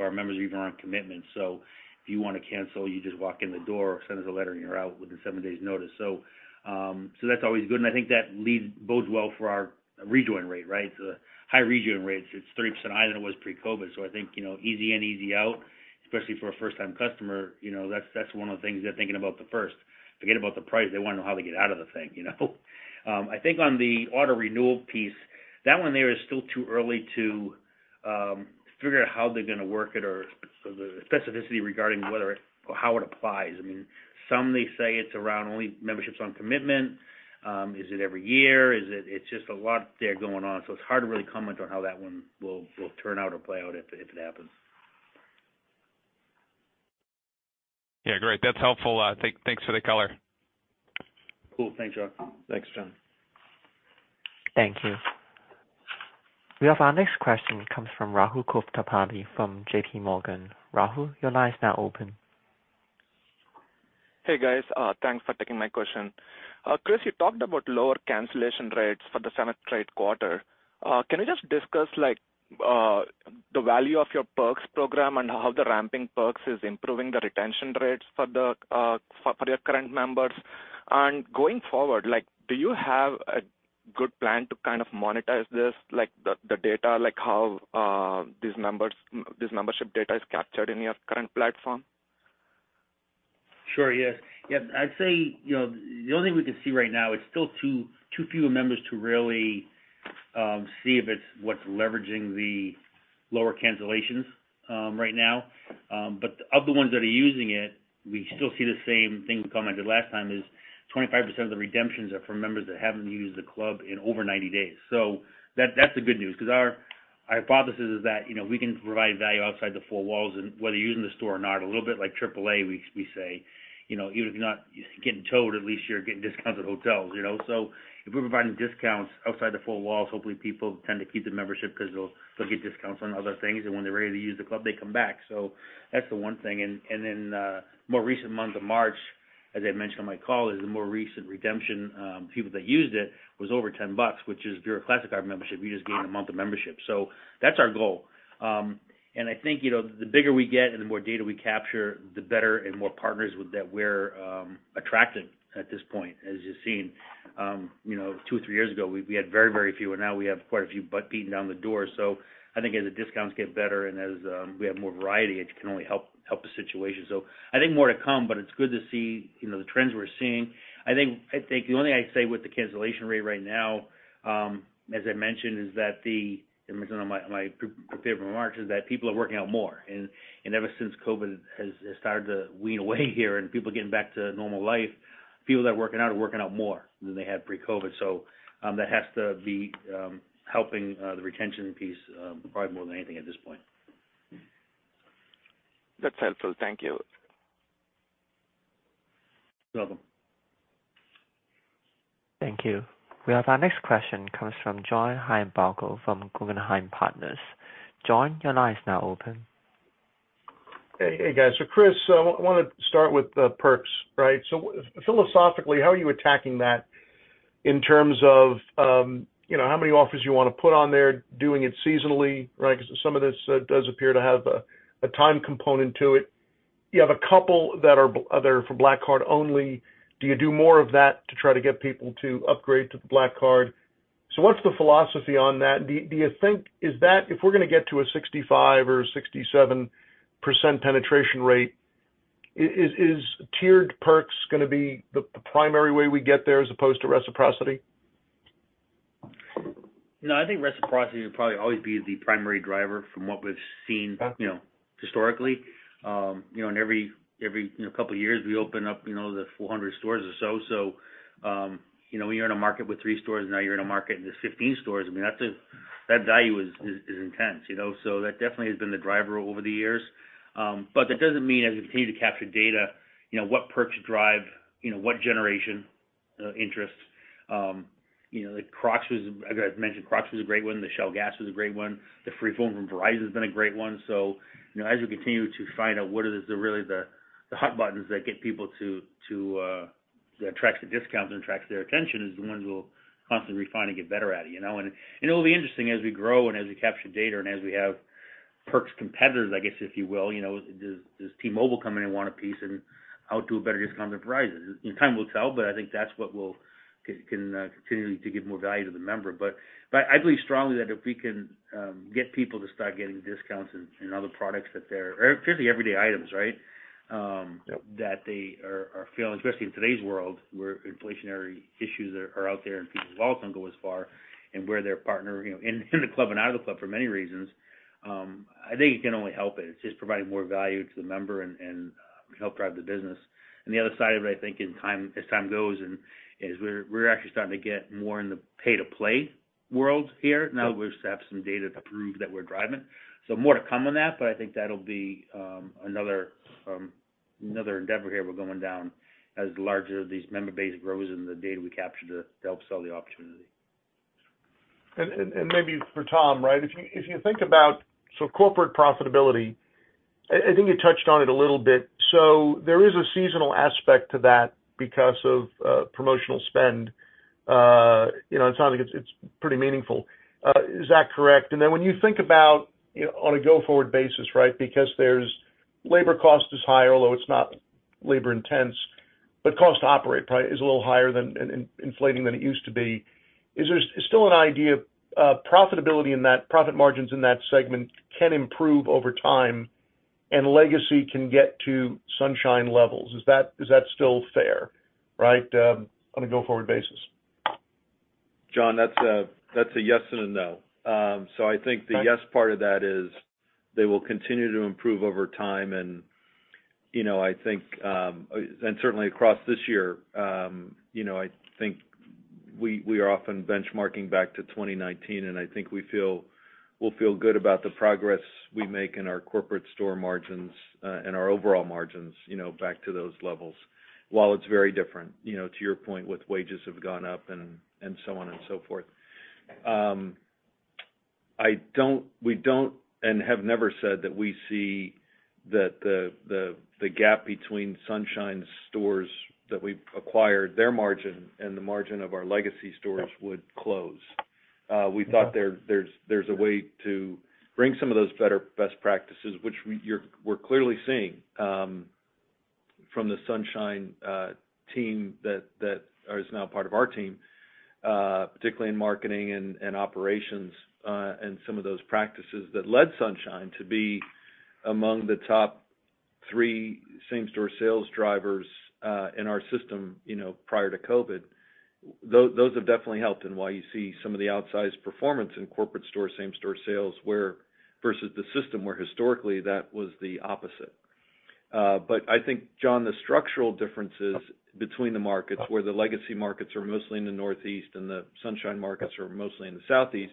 our members are even on commitment. If you wanna cancel, you just walk in the door or send us a letter, and you're out within seven days' notice. That's always good, and I think that bodes well for our rejoin rate, right? The high rejoin rates, it's 30% higher than it was pre-COVID. I think, you know, easy in, easy out, especially for a first-time customer. You know, that's one of the things they're thinking about the first. Forget about the price. They wanna know how they get out of the thing, you know? I think on the auto-renewal piece, that one there is still too early to figure out how they're gonna work it or the specificity regarding whether it or how it applies. I mean, some, they say it's around only memberships on commitment. Is it every year? Is it? It's just a lot there going on, so it's hard to really comment on how that one will turn out or play out if it happens. Yeah, great. That's helpful. Thanks for the color. Cool. Thanks, Jon. Thanks, Jon. Thank you. We have our next question comes from Rahul Kothari from J.P. Morgan. Rahul, your line is now open. Hey, guys. Thanks for taking my question. Chris, you talked about lower cancellation rates for the seventh trade quarter. Can you just discuss like the value of your perks program and how the ramping perks is improving the retention rates for your current members? Going forward, like, do you have a good plan to kind of monetize this, like the data, like how this membership data is captured in your current platform? Sure, yes. Yeah, I'd say, you know, the only thing we can see right now, it's still too few members to really, see if it's what's leveraging the lower cancellations, right now. But of the ones that are using it, we still see the same thing we commented last time is 25% of the redemptions are from members that haven't used the club in over 90 days. That's the good news, because our hypothesis is that, you know, we can provide value outside the 4 walls and whether you're using the store or not, a little bit like AAA, we say. You know, even if you're not getting towed, at least you're getting discounts at hotels, you know? If we're providing discounts outside the 4 walls, hopefully people tend to keep the membership because they'll get discounts on other things. When they're ready to use the club, they come back. That's the one thing. Then, more recent month of March, as I mentioned on my call, is the more recent redemption, people that used it was over $10, which is if you're a Classic membership, you just gained a month of membership. That's our goal. I think, you know, the bigger we get and the more data we capture, the better and more partners with that we're attracting at this point, as you've seen. You know, two, three years ago, we had very, very few, and now we have quite a few beating down the door. I think as the discounts get better and as we have more variety, it can only help the situation. I think more to come, but it's good to see, you know, the trends we're seeing. I think the only thing I'd say with the cancellation rate right now, as I mentioned, is that in some of my prepared remarks, is that people are working out more. Ever since COVID has started to wean away here and people are getting back to normal life, people that are working out are working out more than they had pre-COVID. That has to be helping the retention piece probably more than anything at this point. That's helpful. Thank you. You're welcome. Thank you. We have our next question comes from John Heinbockel from Guggenheim Partners. John, your line is now open. Hey guys. Chris, I want to start with the perks, right? Philosophically, how are you attacking that in terms of, you know, how many offers you wanna put on there, doing it seasonally, right? Some of this does appear to have a time component to it. You have a couple that are there for Black Card only. Do you do more of that to try to get people to upgrade to the Black Card? What's the philosophy on that? Do you think is that if we're gonna get to a 65% or 67% penetration rate, is tiered perks gonna be the primary way we get there as opposed to reciprocity? No, I think reciprocity will probably always be the primary driver from what we've seen. Okay... you know, historically. You know, and every, you know, couple of years, we open up, you know, the 400 stores or so. When you're in a market with three stores, now you're in a market and there's 15 stores. I mean, that value is intense, you know? That definitely has been the driver over the years. That doesn't mean as we continue to capture data, you know, what perks drive, you know, what generation, interests. You know, like Crocs as I mentioned, Crocs was a great one. The Shell Gas was a great one. The free phone from Verizon has been a great one. you know, as we continue to find out what is the really the hot buttons that get people to that attracts the discounts and attracts their attention is the ones we'll constantly refine and get better at it, you know? It'll be interesting as we grow and as we capture data and as we have perks competitors, I guess, if you will. You know, does T-Mobile come in and want a piece and outdo a better discount than Verizon? In time will tell, I think that's what we'll continually to give more value to the member. I believe strongly that if we can get people to start getting discounts in other products that they're. Particularly everyday items, right? That they are feeling, especially in today's world, where inflationary issues are out there and people's wealth don't go as far and where their partner, you know, in the club and out of the club for many reasons, I think it can only help it. It's just providing more value to the member and help drive the business. The other side of it, I think in time, as time goes and as we're actually starting to get more in the pay-to-play world here. We have some data to prove that we're driving. More to come on that, but I think that'll be another endeavor here we're going down as larger these member base grows and the data we capture to help sell the opportunity. Maybe for Tom, right? If you think about sort of corporate profitability, I think you touched on it a little bit. There is a seasonal aspect to that because of promotional spend. You know, it sounds like it's pretty meaningful. Is that correct? When you think about, you know, on a go-forward basis, right? Because there's labor cost is higher, although it's not labor intense, but cost to operate probably is a little higher than inflating than it used to be. Is there still an idea of profitability in that, profit margins in that segment can improve over time and legacy can get to Sunshine levels? Is that still fair, right? On a go-forward basis. John, that's a, that's a yes and a no. So I think the yes part of that is they will continue to improve over time. You know, I think, and certainly across this year, you know, I think we are often benchmarking back to 2019, and I think we'll feel good about the progress we make in our corporate store margins, and our overall margins, you know, back to those levels. While it's very different, you know, to your point, with wages have gone up and so on and so forth. I don't we don't, and have never said that we see that the, the gap between Sunshine stores that we've acquired, their margin and the margin of our legacy stores would close. We thought there's, there's a way to bring some of those better best practices, we're clearly seeing from the Sunshine team that is now part of our team, particularly in marketing and operations, and some of those practices that led Sunshine to be among the top three same-store sales drivers in our system, you know, prior to COVID. Those have definitely helped in why you see some of the outsized performance in corporate store same-store sales versus the system where historically that was the opposite. I think, John, the structural differences between the markets, where the legacy markets are mostly in the Northeast and the Sunshine markets are mostly in the Southeast,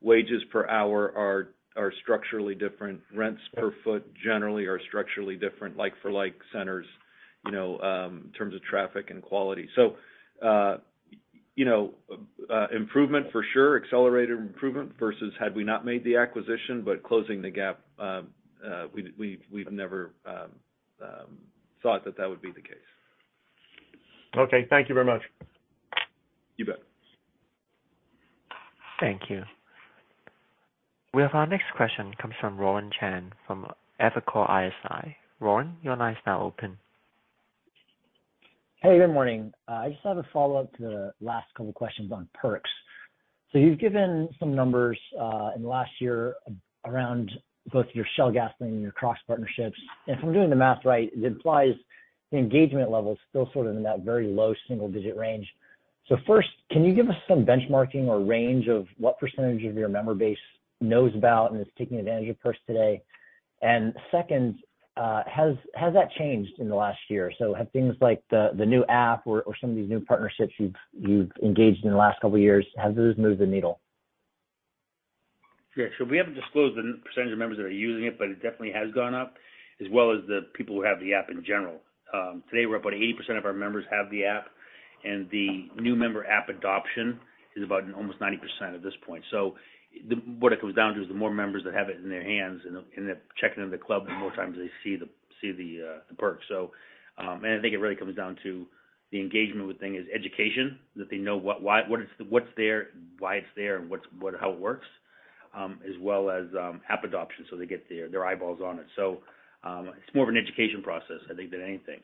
wages per hour are structurally different. Rents per foot generally are structurally different, like-for-like centers, you know, in terms of traffic and quality. You know, improvement for sure, accelerated improvement versus had we not made the acquisition, but closing the gap, we've never thought that that would be the case. Okay, thank you very much. You bet. Thank you. We have our next question comes from Warren Chan from Evercore ISI. Warren, your line is now open. Hey, good morning. I just have a follow-up to the last couple questions on perks. You've given some numbers in the last year around both your Shell gasoline and your Crocs partnerships. And if I'm doing the math right, it implies the engagement level is still sort of in that very low single-digit range. First, can you give us some benchmarking or range of what % of your member base knows about and is taking advantage of perks today? Second, has that changed in the last year? Have things like the new app or some of these new partnerships you've engaged in the last couple of years, have those moved the needle? Yeah. We haven't disclosed the percentage of members that are using it, but it definitely has gone up, as well as the people who have the app in general. Today we're up 80% of our members have the app, and the new member app adoption is about almost 90% at this point. What it comes down to is the more members that have it in their hands and they're checking into the club, the more times they see the perks. I think it really comes down to the engagement with thing is education, that they know what's there, why it's there, and how it works, as well as app adoption, so they get their eyeballs on it. It's more of an education process, I think, than anything.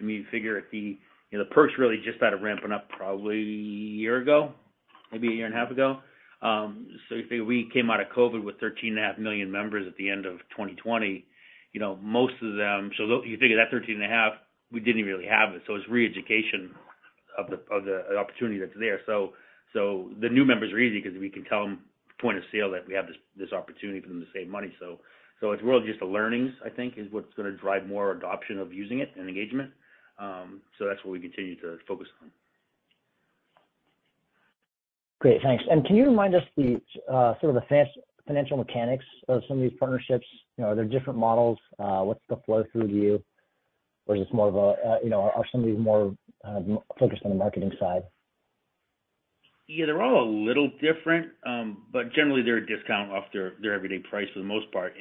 We figure the, you know, the perks really just started ramping up probably a year ago, maybe a year and a half ago. If we came out of COVID with 13.5 million members at the end of 2020, you know, most of them. If you think of that 13.5, we didn't even really have it, so it's re-education of the, of the opportunity that's there. The new members are easy 'cause we can tell 'em point of sale that we have this opportunity for them to save money. It's really just the learnings, I think, is what's gonna drive more adoption of using it and engagement. That's what we continue to focus on. Great. Thanks. Can you remind us the sort of the financial mechanics of some of these partnerships? You know, are there different models? What's the flow through view? Is this more of a, you know, are some of these more focused on the marketing side? Yeah, they're all a little different, but generally they're a discount off their everyday price for the most part.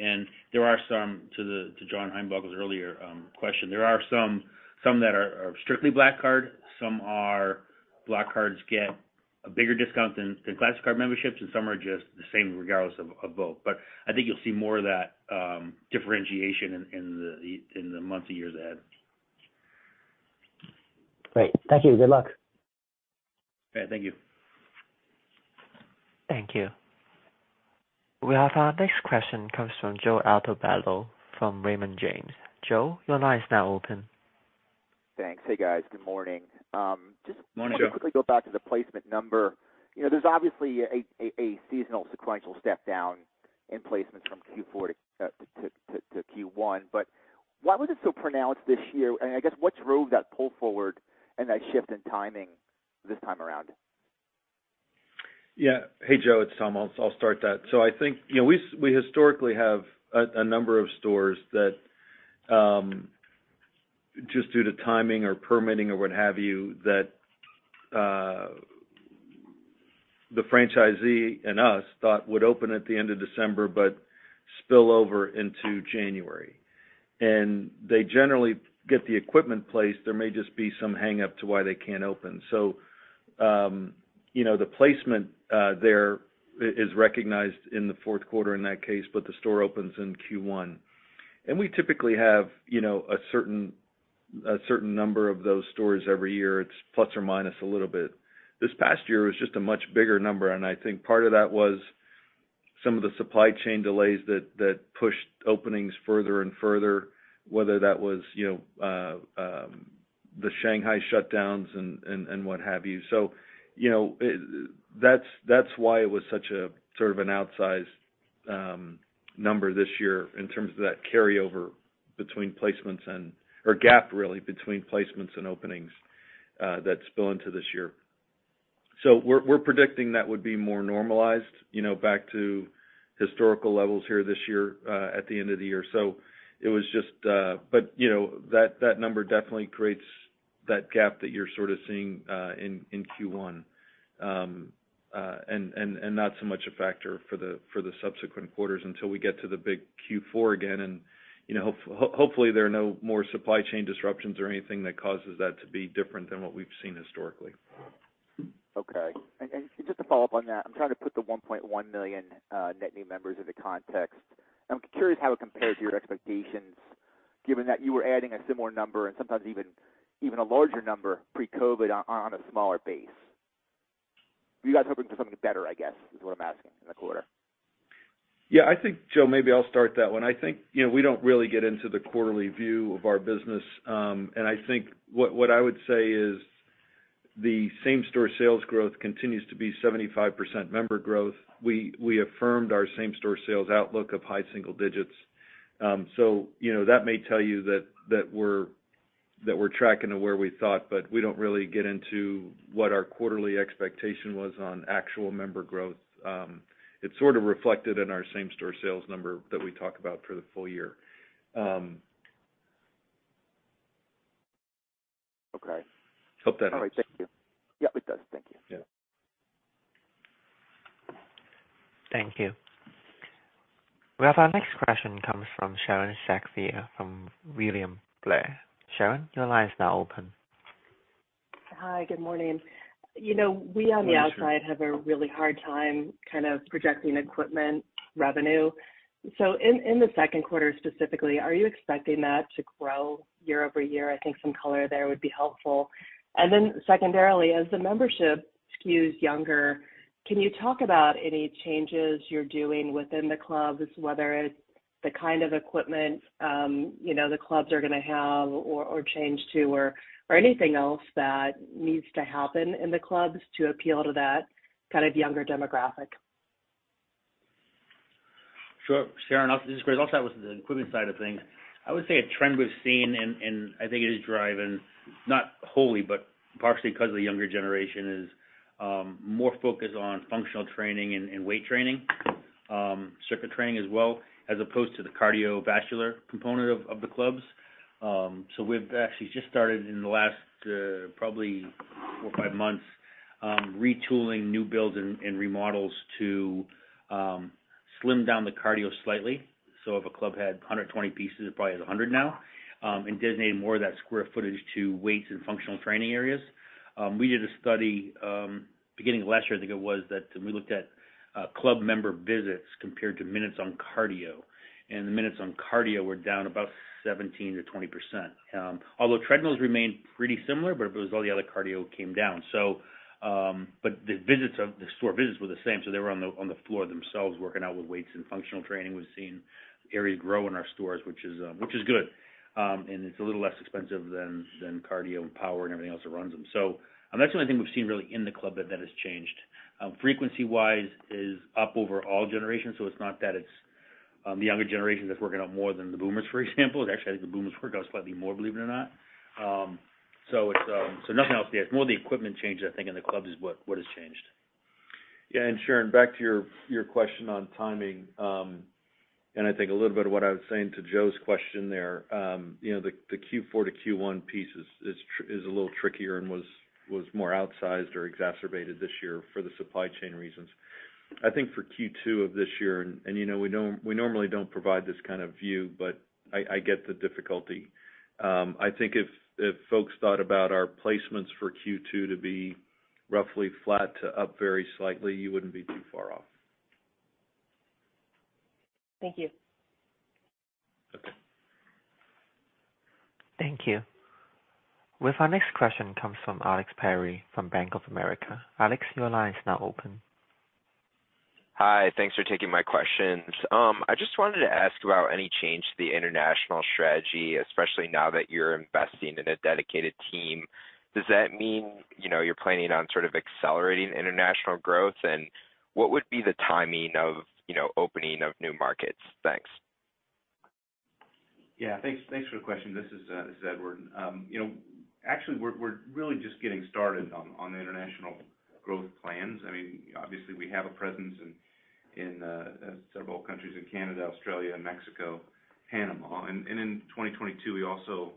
There are some to the, to John Heinbockel's earlier question, there are some that are strictly Black Card, some are Black Cards get a bigger discount than Classic Card memberships, and some are just the same regardless of both. I think you'll see more of that differentiation in the, in the months and years ahead. Great. Thank you. Good luck. All right. Thank you. Thank you. We have our next question comes from Joseph Altobello from Raymond James. Joe, your line is now open. Thanks. Hey, guys. Good morning. Morning, Joe. want to quickly go back to the placement number. You know, there's obviously a seasonal sequential step down in placements from Q4 to Q1. Why was it so pronounced this year? I guess what's drove that pull forward and that shift in timing this time around? Yeah. Hey, Joe, it's Tom. I'll start that. I think, you know, we historically have a number of stores that, just due to timing or permitting or what have you, that the franchisee and us thought would open at the end of December, but spill over into January. They generally get the equipment placed. There may just be some hangup to why they can't open. You know, the placement is recognized in the fourth quarter in that case, but the store opens in Q1. We typically have, you know, a certain number of those stores every year. It's plus or minus a little bit. This past year was just a much bigger number. I think part of that was some of the supply chain delays that pushed openings further and further, whether that was, you know, the Shanghai shutdowns and what have you. You know, that's why it was such a sort of an outsized number this year in terms of that carryover between placements or gap really between placements and openings that spill into this year. We're predicting that would be more normalized, you know, back to historical levels here this year, at the end of the year. It was just. You know, that number definitely creates that gap that you're sort of seeing in Q1. Not so much a factor for the subsequent quarters until we get to the big Q4 again and, you know, hopefully, there are no more supply chain disruptions or anything that causes that to be different than what we've seen historically. Okay. Just to follow up on that, I'm trying to put the $1.1 million net new members into context. I'm curious how it compares to your expectations, given that you were adding a similar number and sometimes even a larger number pre-COVID on a smaller base. Were you guys hoping for something better, I guess, is what I'm asking in the quarter? Yeah. I think, Joe, maybe I'll start that one. I think, you know, we don't really get into the quarterly view of our business. I think what I would say is the same-store sales growth continues to be 75% member growth. We affirmed our same-store sales outlook of high single digits. You know, that may tell you that we're tracking to where we thought, but we don't really get into what our quarterly expectation was on actual member growth. It's sort of reflected in our same-store sales number that we talk about for the full year. Okay. Hope that helps. All right. Thank you. Yeah, it does. Thank you. Yeah. Thank you. Well, our next question comes from Sharon Zackfia from William Blair. Sharon, your line is now open. Hi. Good morning. You know, we on the outside have a really hard time kind of projecting equipment revenue. In the second quarter specifically, are you expecting that to grow year-over-year? I think some color there would be helpful. Secondarily, as the membership skews younger, can you talk about any changes you're doing within the clubs, whether it's the kind of equipment, you know, the clubs are gonna have or change to or anything else that needs to happen in the clubs to appeal to that kind of younger demographic? Sure, Sharon. This is Chris. I'll start with the equipment side of things. I would say a trend we've seen and I think it is driving, not wholly, but partially 'cause of the younger generation, is, more focused on functional training and weight training, circuit training as well, as opposed to the cardiovascular component of the clubs. We've actually just started in the last, probably 4 or 5 months, retooling new builds and remodels to slim down the cardio slightly. If a club had 120 pieces, it probably has 100 now, and designated more of that square footage to weights and functional training areas. We did a study, beginning of last year, I think it was, that we looked at, club member visits compared to minutes on cardio. The minutes on cardio were down about 17%-20%. Although treadmills remained pretty similar, but it was all the other cardio came down. The store visits were the same, so they were on the, on the floor themselves working out with weights and functional training. We've seen areas grow in our stores, which is good. It's a little less expensive than cardio and power and everything else that runs them. That's the only thing we've seen really in the club that has changed. Frequency-wise is up over all generations, so it's not that it's, the younger generation that's working out more than the boomers, for example. It's actually, I think the boomers work out slightly more, believe it or not. Nothing else there. It's more the equipment change, I think, in the clubs is what has changed. Yeah. Sharon, back to your question on timing, I think a little bit of what I was saying to Joe's question there, you know, the Q4 to Q1 piece is a little trickier and was more outsized or exacerbated this year for the supply chain reasons. I think for Q2 of this year, you know, we normally don't provide this kind of view, but I get the difficulty. I think if folks thought about our placements for Q2 to be roughly flat to up very slightly, you wouldn't be too far off. Thank you. Okay. Thank you. Well, our next question comes from Alex Perry from Bank of America. Alex, your line is now open. Hi. Thanks for taking my questions. I just wanted to ask about any change to the international strategy, especially now that you're investing in a dedicated team. Does that mean, you know, you're planning on sort of accelerating international growth? What would be the timing of, you know, opening of new markets? Thanks. Yeah. Thanks, thanks for the question. This is Edward. You know, actually, we're really just getting started on the international growth plans. I mean, obviously, we have a presence in several countries in Canada, Australia, Mexico, Panama. In 2022, we also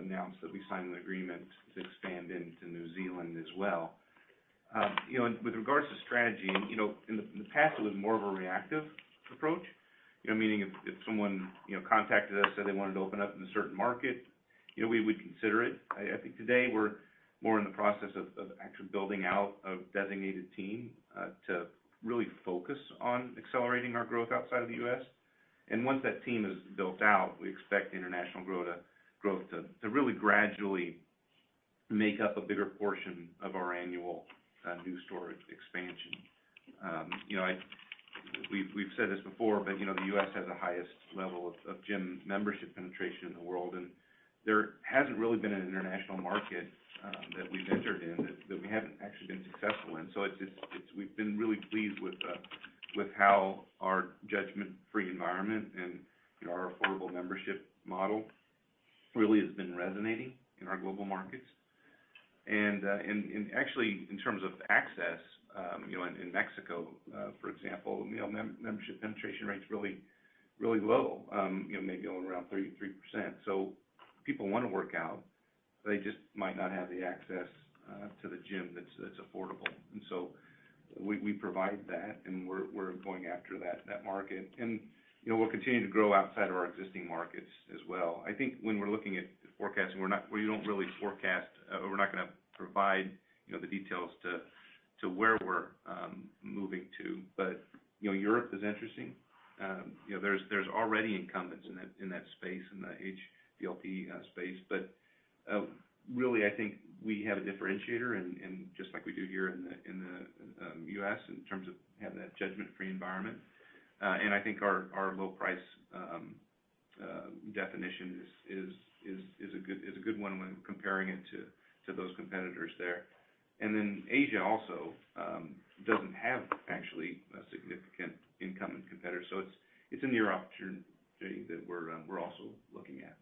announced that we signed an agreement to expand into New Zealand as well. You know, with regards to strategy, you know, in the past, it was more of a reactive approach. You know, meaning if someone, you know, contacted us, said they wanted to open up in a certain market, you know, we would consider it. I think today we're more in the process of actually building out a designated team to really focus on accelerating our growth outside of the U.S. Once that team is built out, we expect international growth to really gradually make up a bigger portion of our annual new store expansion. you know, we've said this before, but you know, the U.S. has the highest level of gym membership penetration in the world, and There hasn't really been an international market that we've entered in that we haven't actually been successful in. It's we've been really pleased with how our judgment-free environment and, you know, our affordable membership model really has been resonating in our global markets. Actually, in terms of access, you know, in Mexico, for example, you know, membership penetration rate's really, really low, you know, maybe around 33%. People wanna work out, they just might not have the access to the gym that's affordable. We provide that, and we're going after that market. You know, we'll continue to grow outside of our existing markets as well. I think when we're looking at forecasting, we don't really forecast, or we're not gonna provide, you know, the details to where we're moving to. You know, Europe is interesting. You know, there's already incumbents in that space, in the HVLP space. Really, I think we have a differentiator and just like we do here in the U.S., in terms of having that judgment-free environment. And I think our low price definition is a good one when comparing it to those competitors there. Asia also doesn't have actually a significant incumbent competitor. It's a near opportunity that we're also looking at.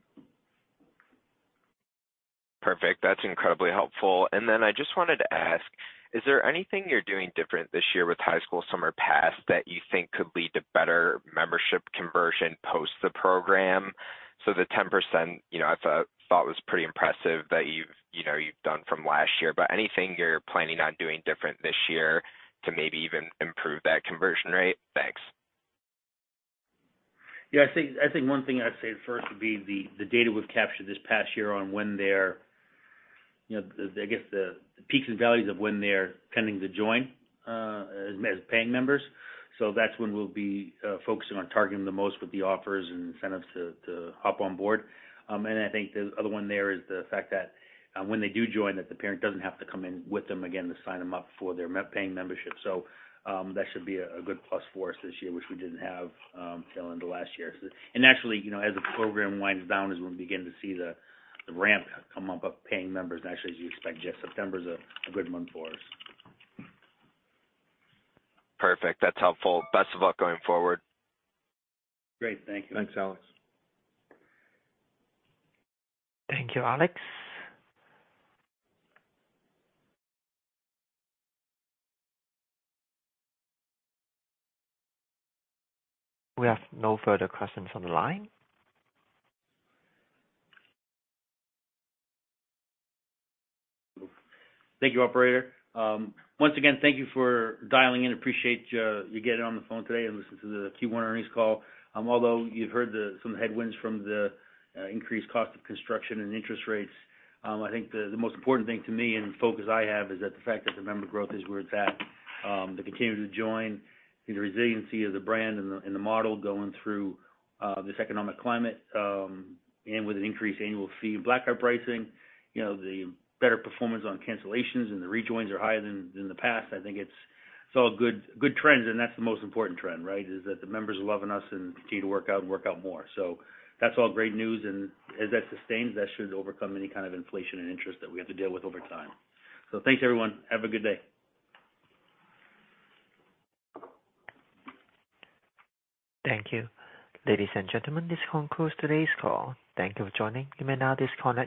Perfect. That's incredibly helpful. Then I just wanted to ask, is there anything you're doing different this year with High School Summer Pass that you think could lead to better membership conversion post the program? The 10%, you know, I thought was pretty impressive that you've, you know, you've done from last year, but anything you're planning on doing different this year to maybe even improve that conversion rate? Thanks. Yeah, I think one thing I'd say first would be the data we've captured this past year on when they're, you know, the, I guess, the peaks and valleys of when they're tending to join as paying members. That's when we'll be focusing on targeting the most with the offers and incentives to hop on board. I think the other one there is the fact that when they do join, that the parent doesn't have to come in with them again to sign them up for their paying membership. That should be a good plus for us this year, which we didn't have till end of last year. Actually, you know, as the program winds down is when we begin to see the ramp come up of paying members, actually, as you expect, Jeff, September is a good month for us. Perfect. That's helpful. Best of luck going forward. Great. Thank you. Thanks, Alex. Thank you, Alex. We have no further questions on the line. Thank you, operator. Once again, thank you for dialing in. Appreciate you getting on the phone today and listen to the Q1 earnings call. Although you've heard some headwinds from the increased cost of construction and interest rates, I think the most important thing to me and focus I have is that the fact that the member growth is where it's at. The continued to join, the resiliency of the brand and the model going through this economic climate, and with an increased annual fee Black Card pricing, you know, the better performance on cancellations and the rejoins are higher than the past. I think it's all good trends, and that's the most important trend, right? Is that the members are loving us and continue to work out and work out more. That's all great news. As that sustains, that should overcome any kind of inflation and interest that we have to deal with over time. Thanks, everyone. Have a good day. Thank you. Ladies and gentlemen, this concludes today's call. Thank you for joining. You may now disconnect.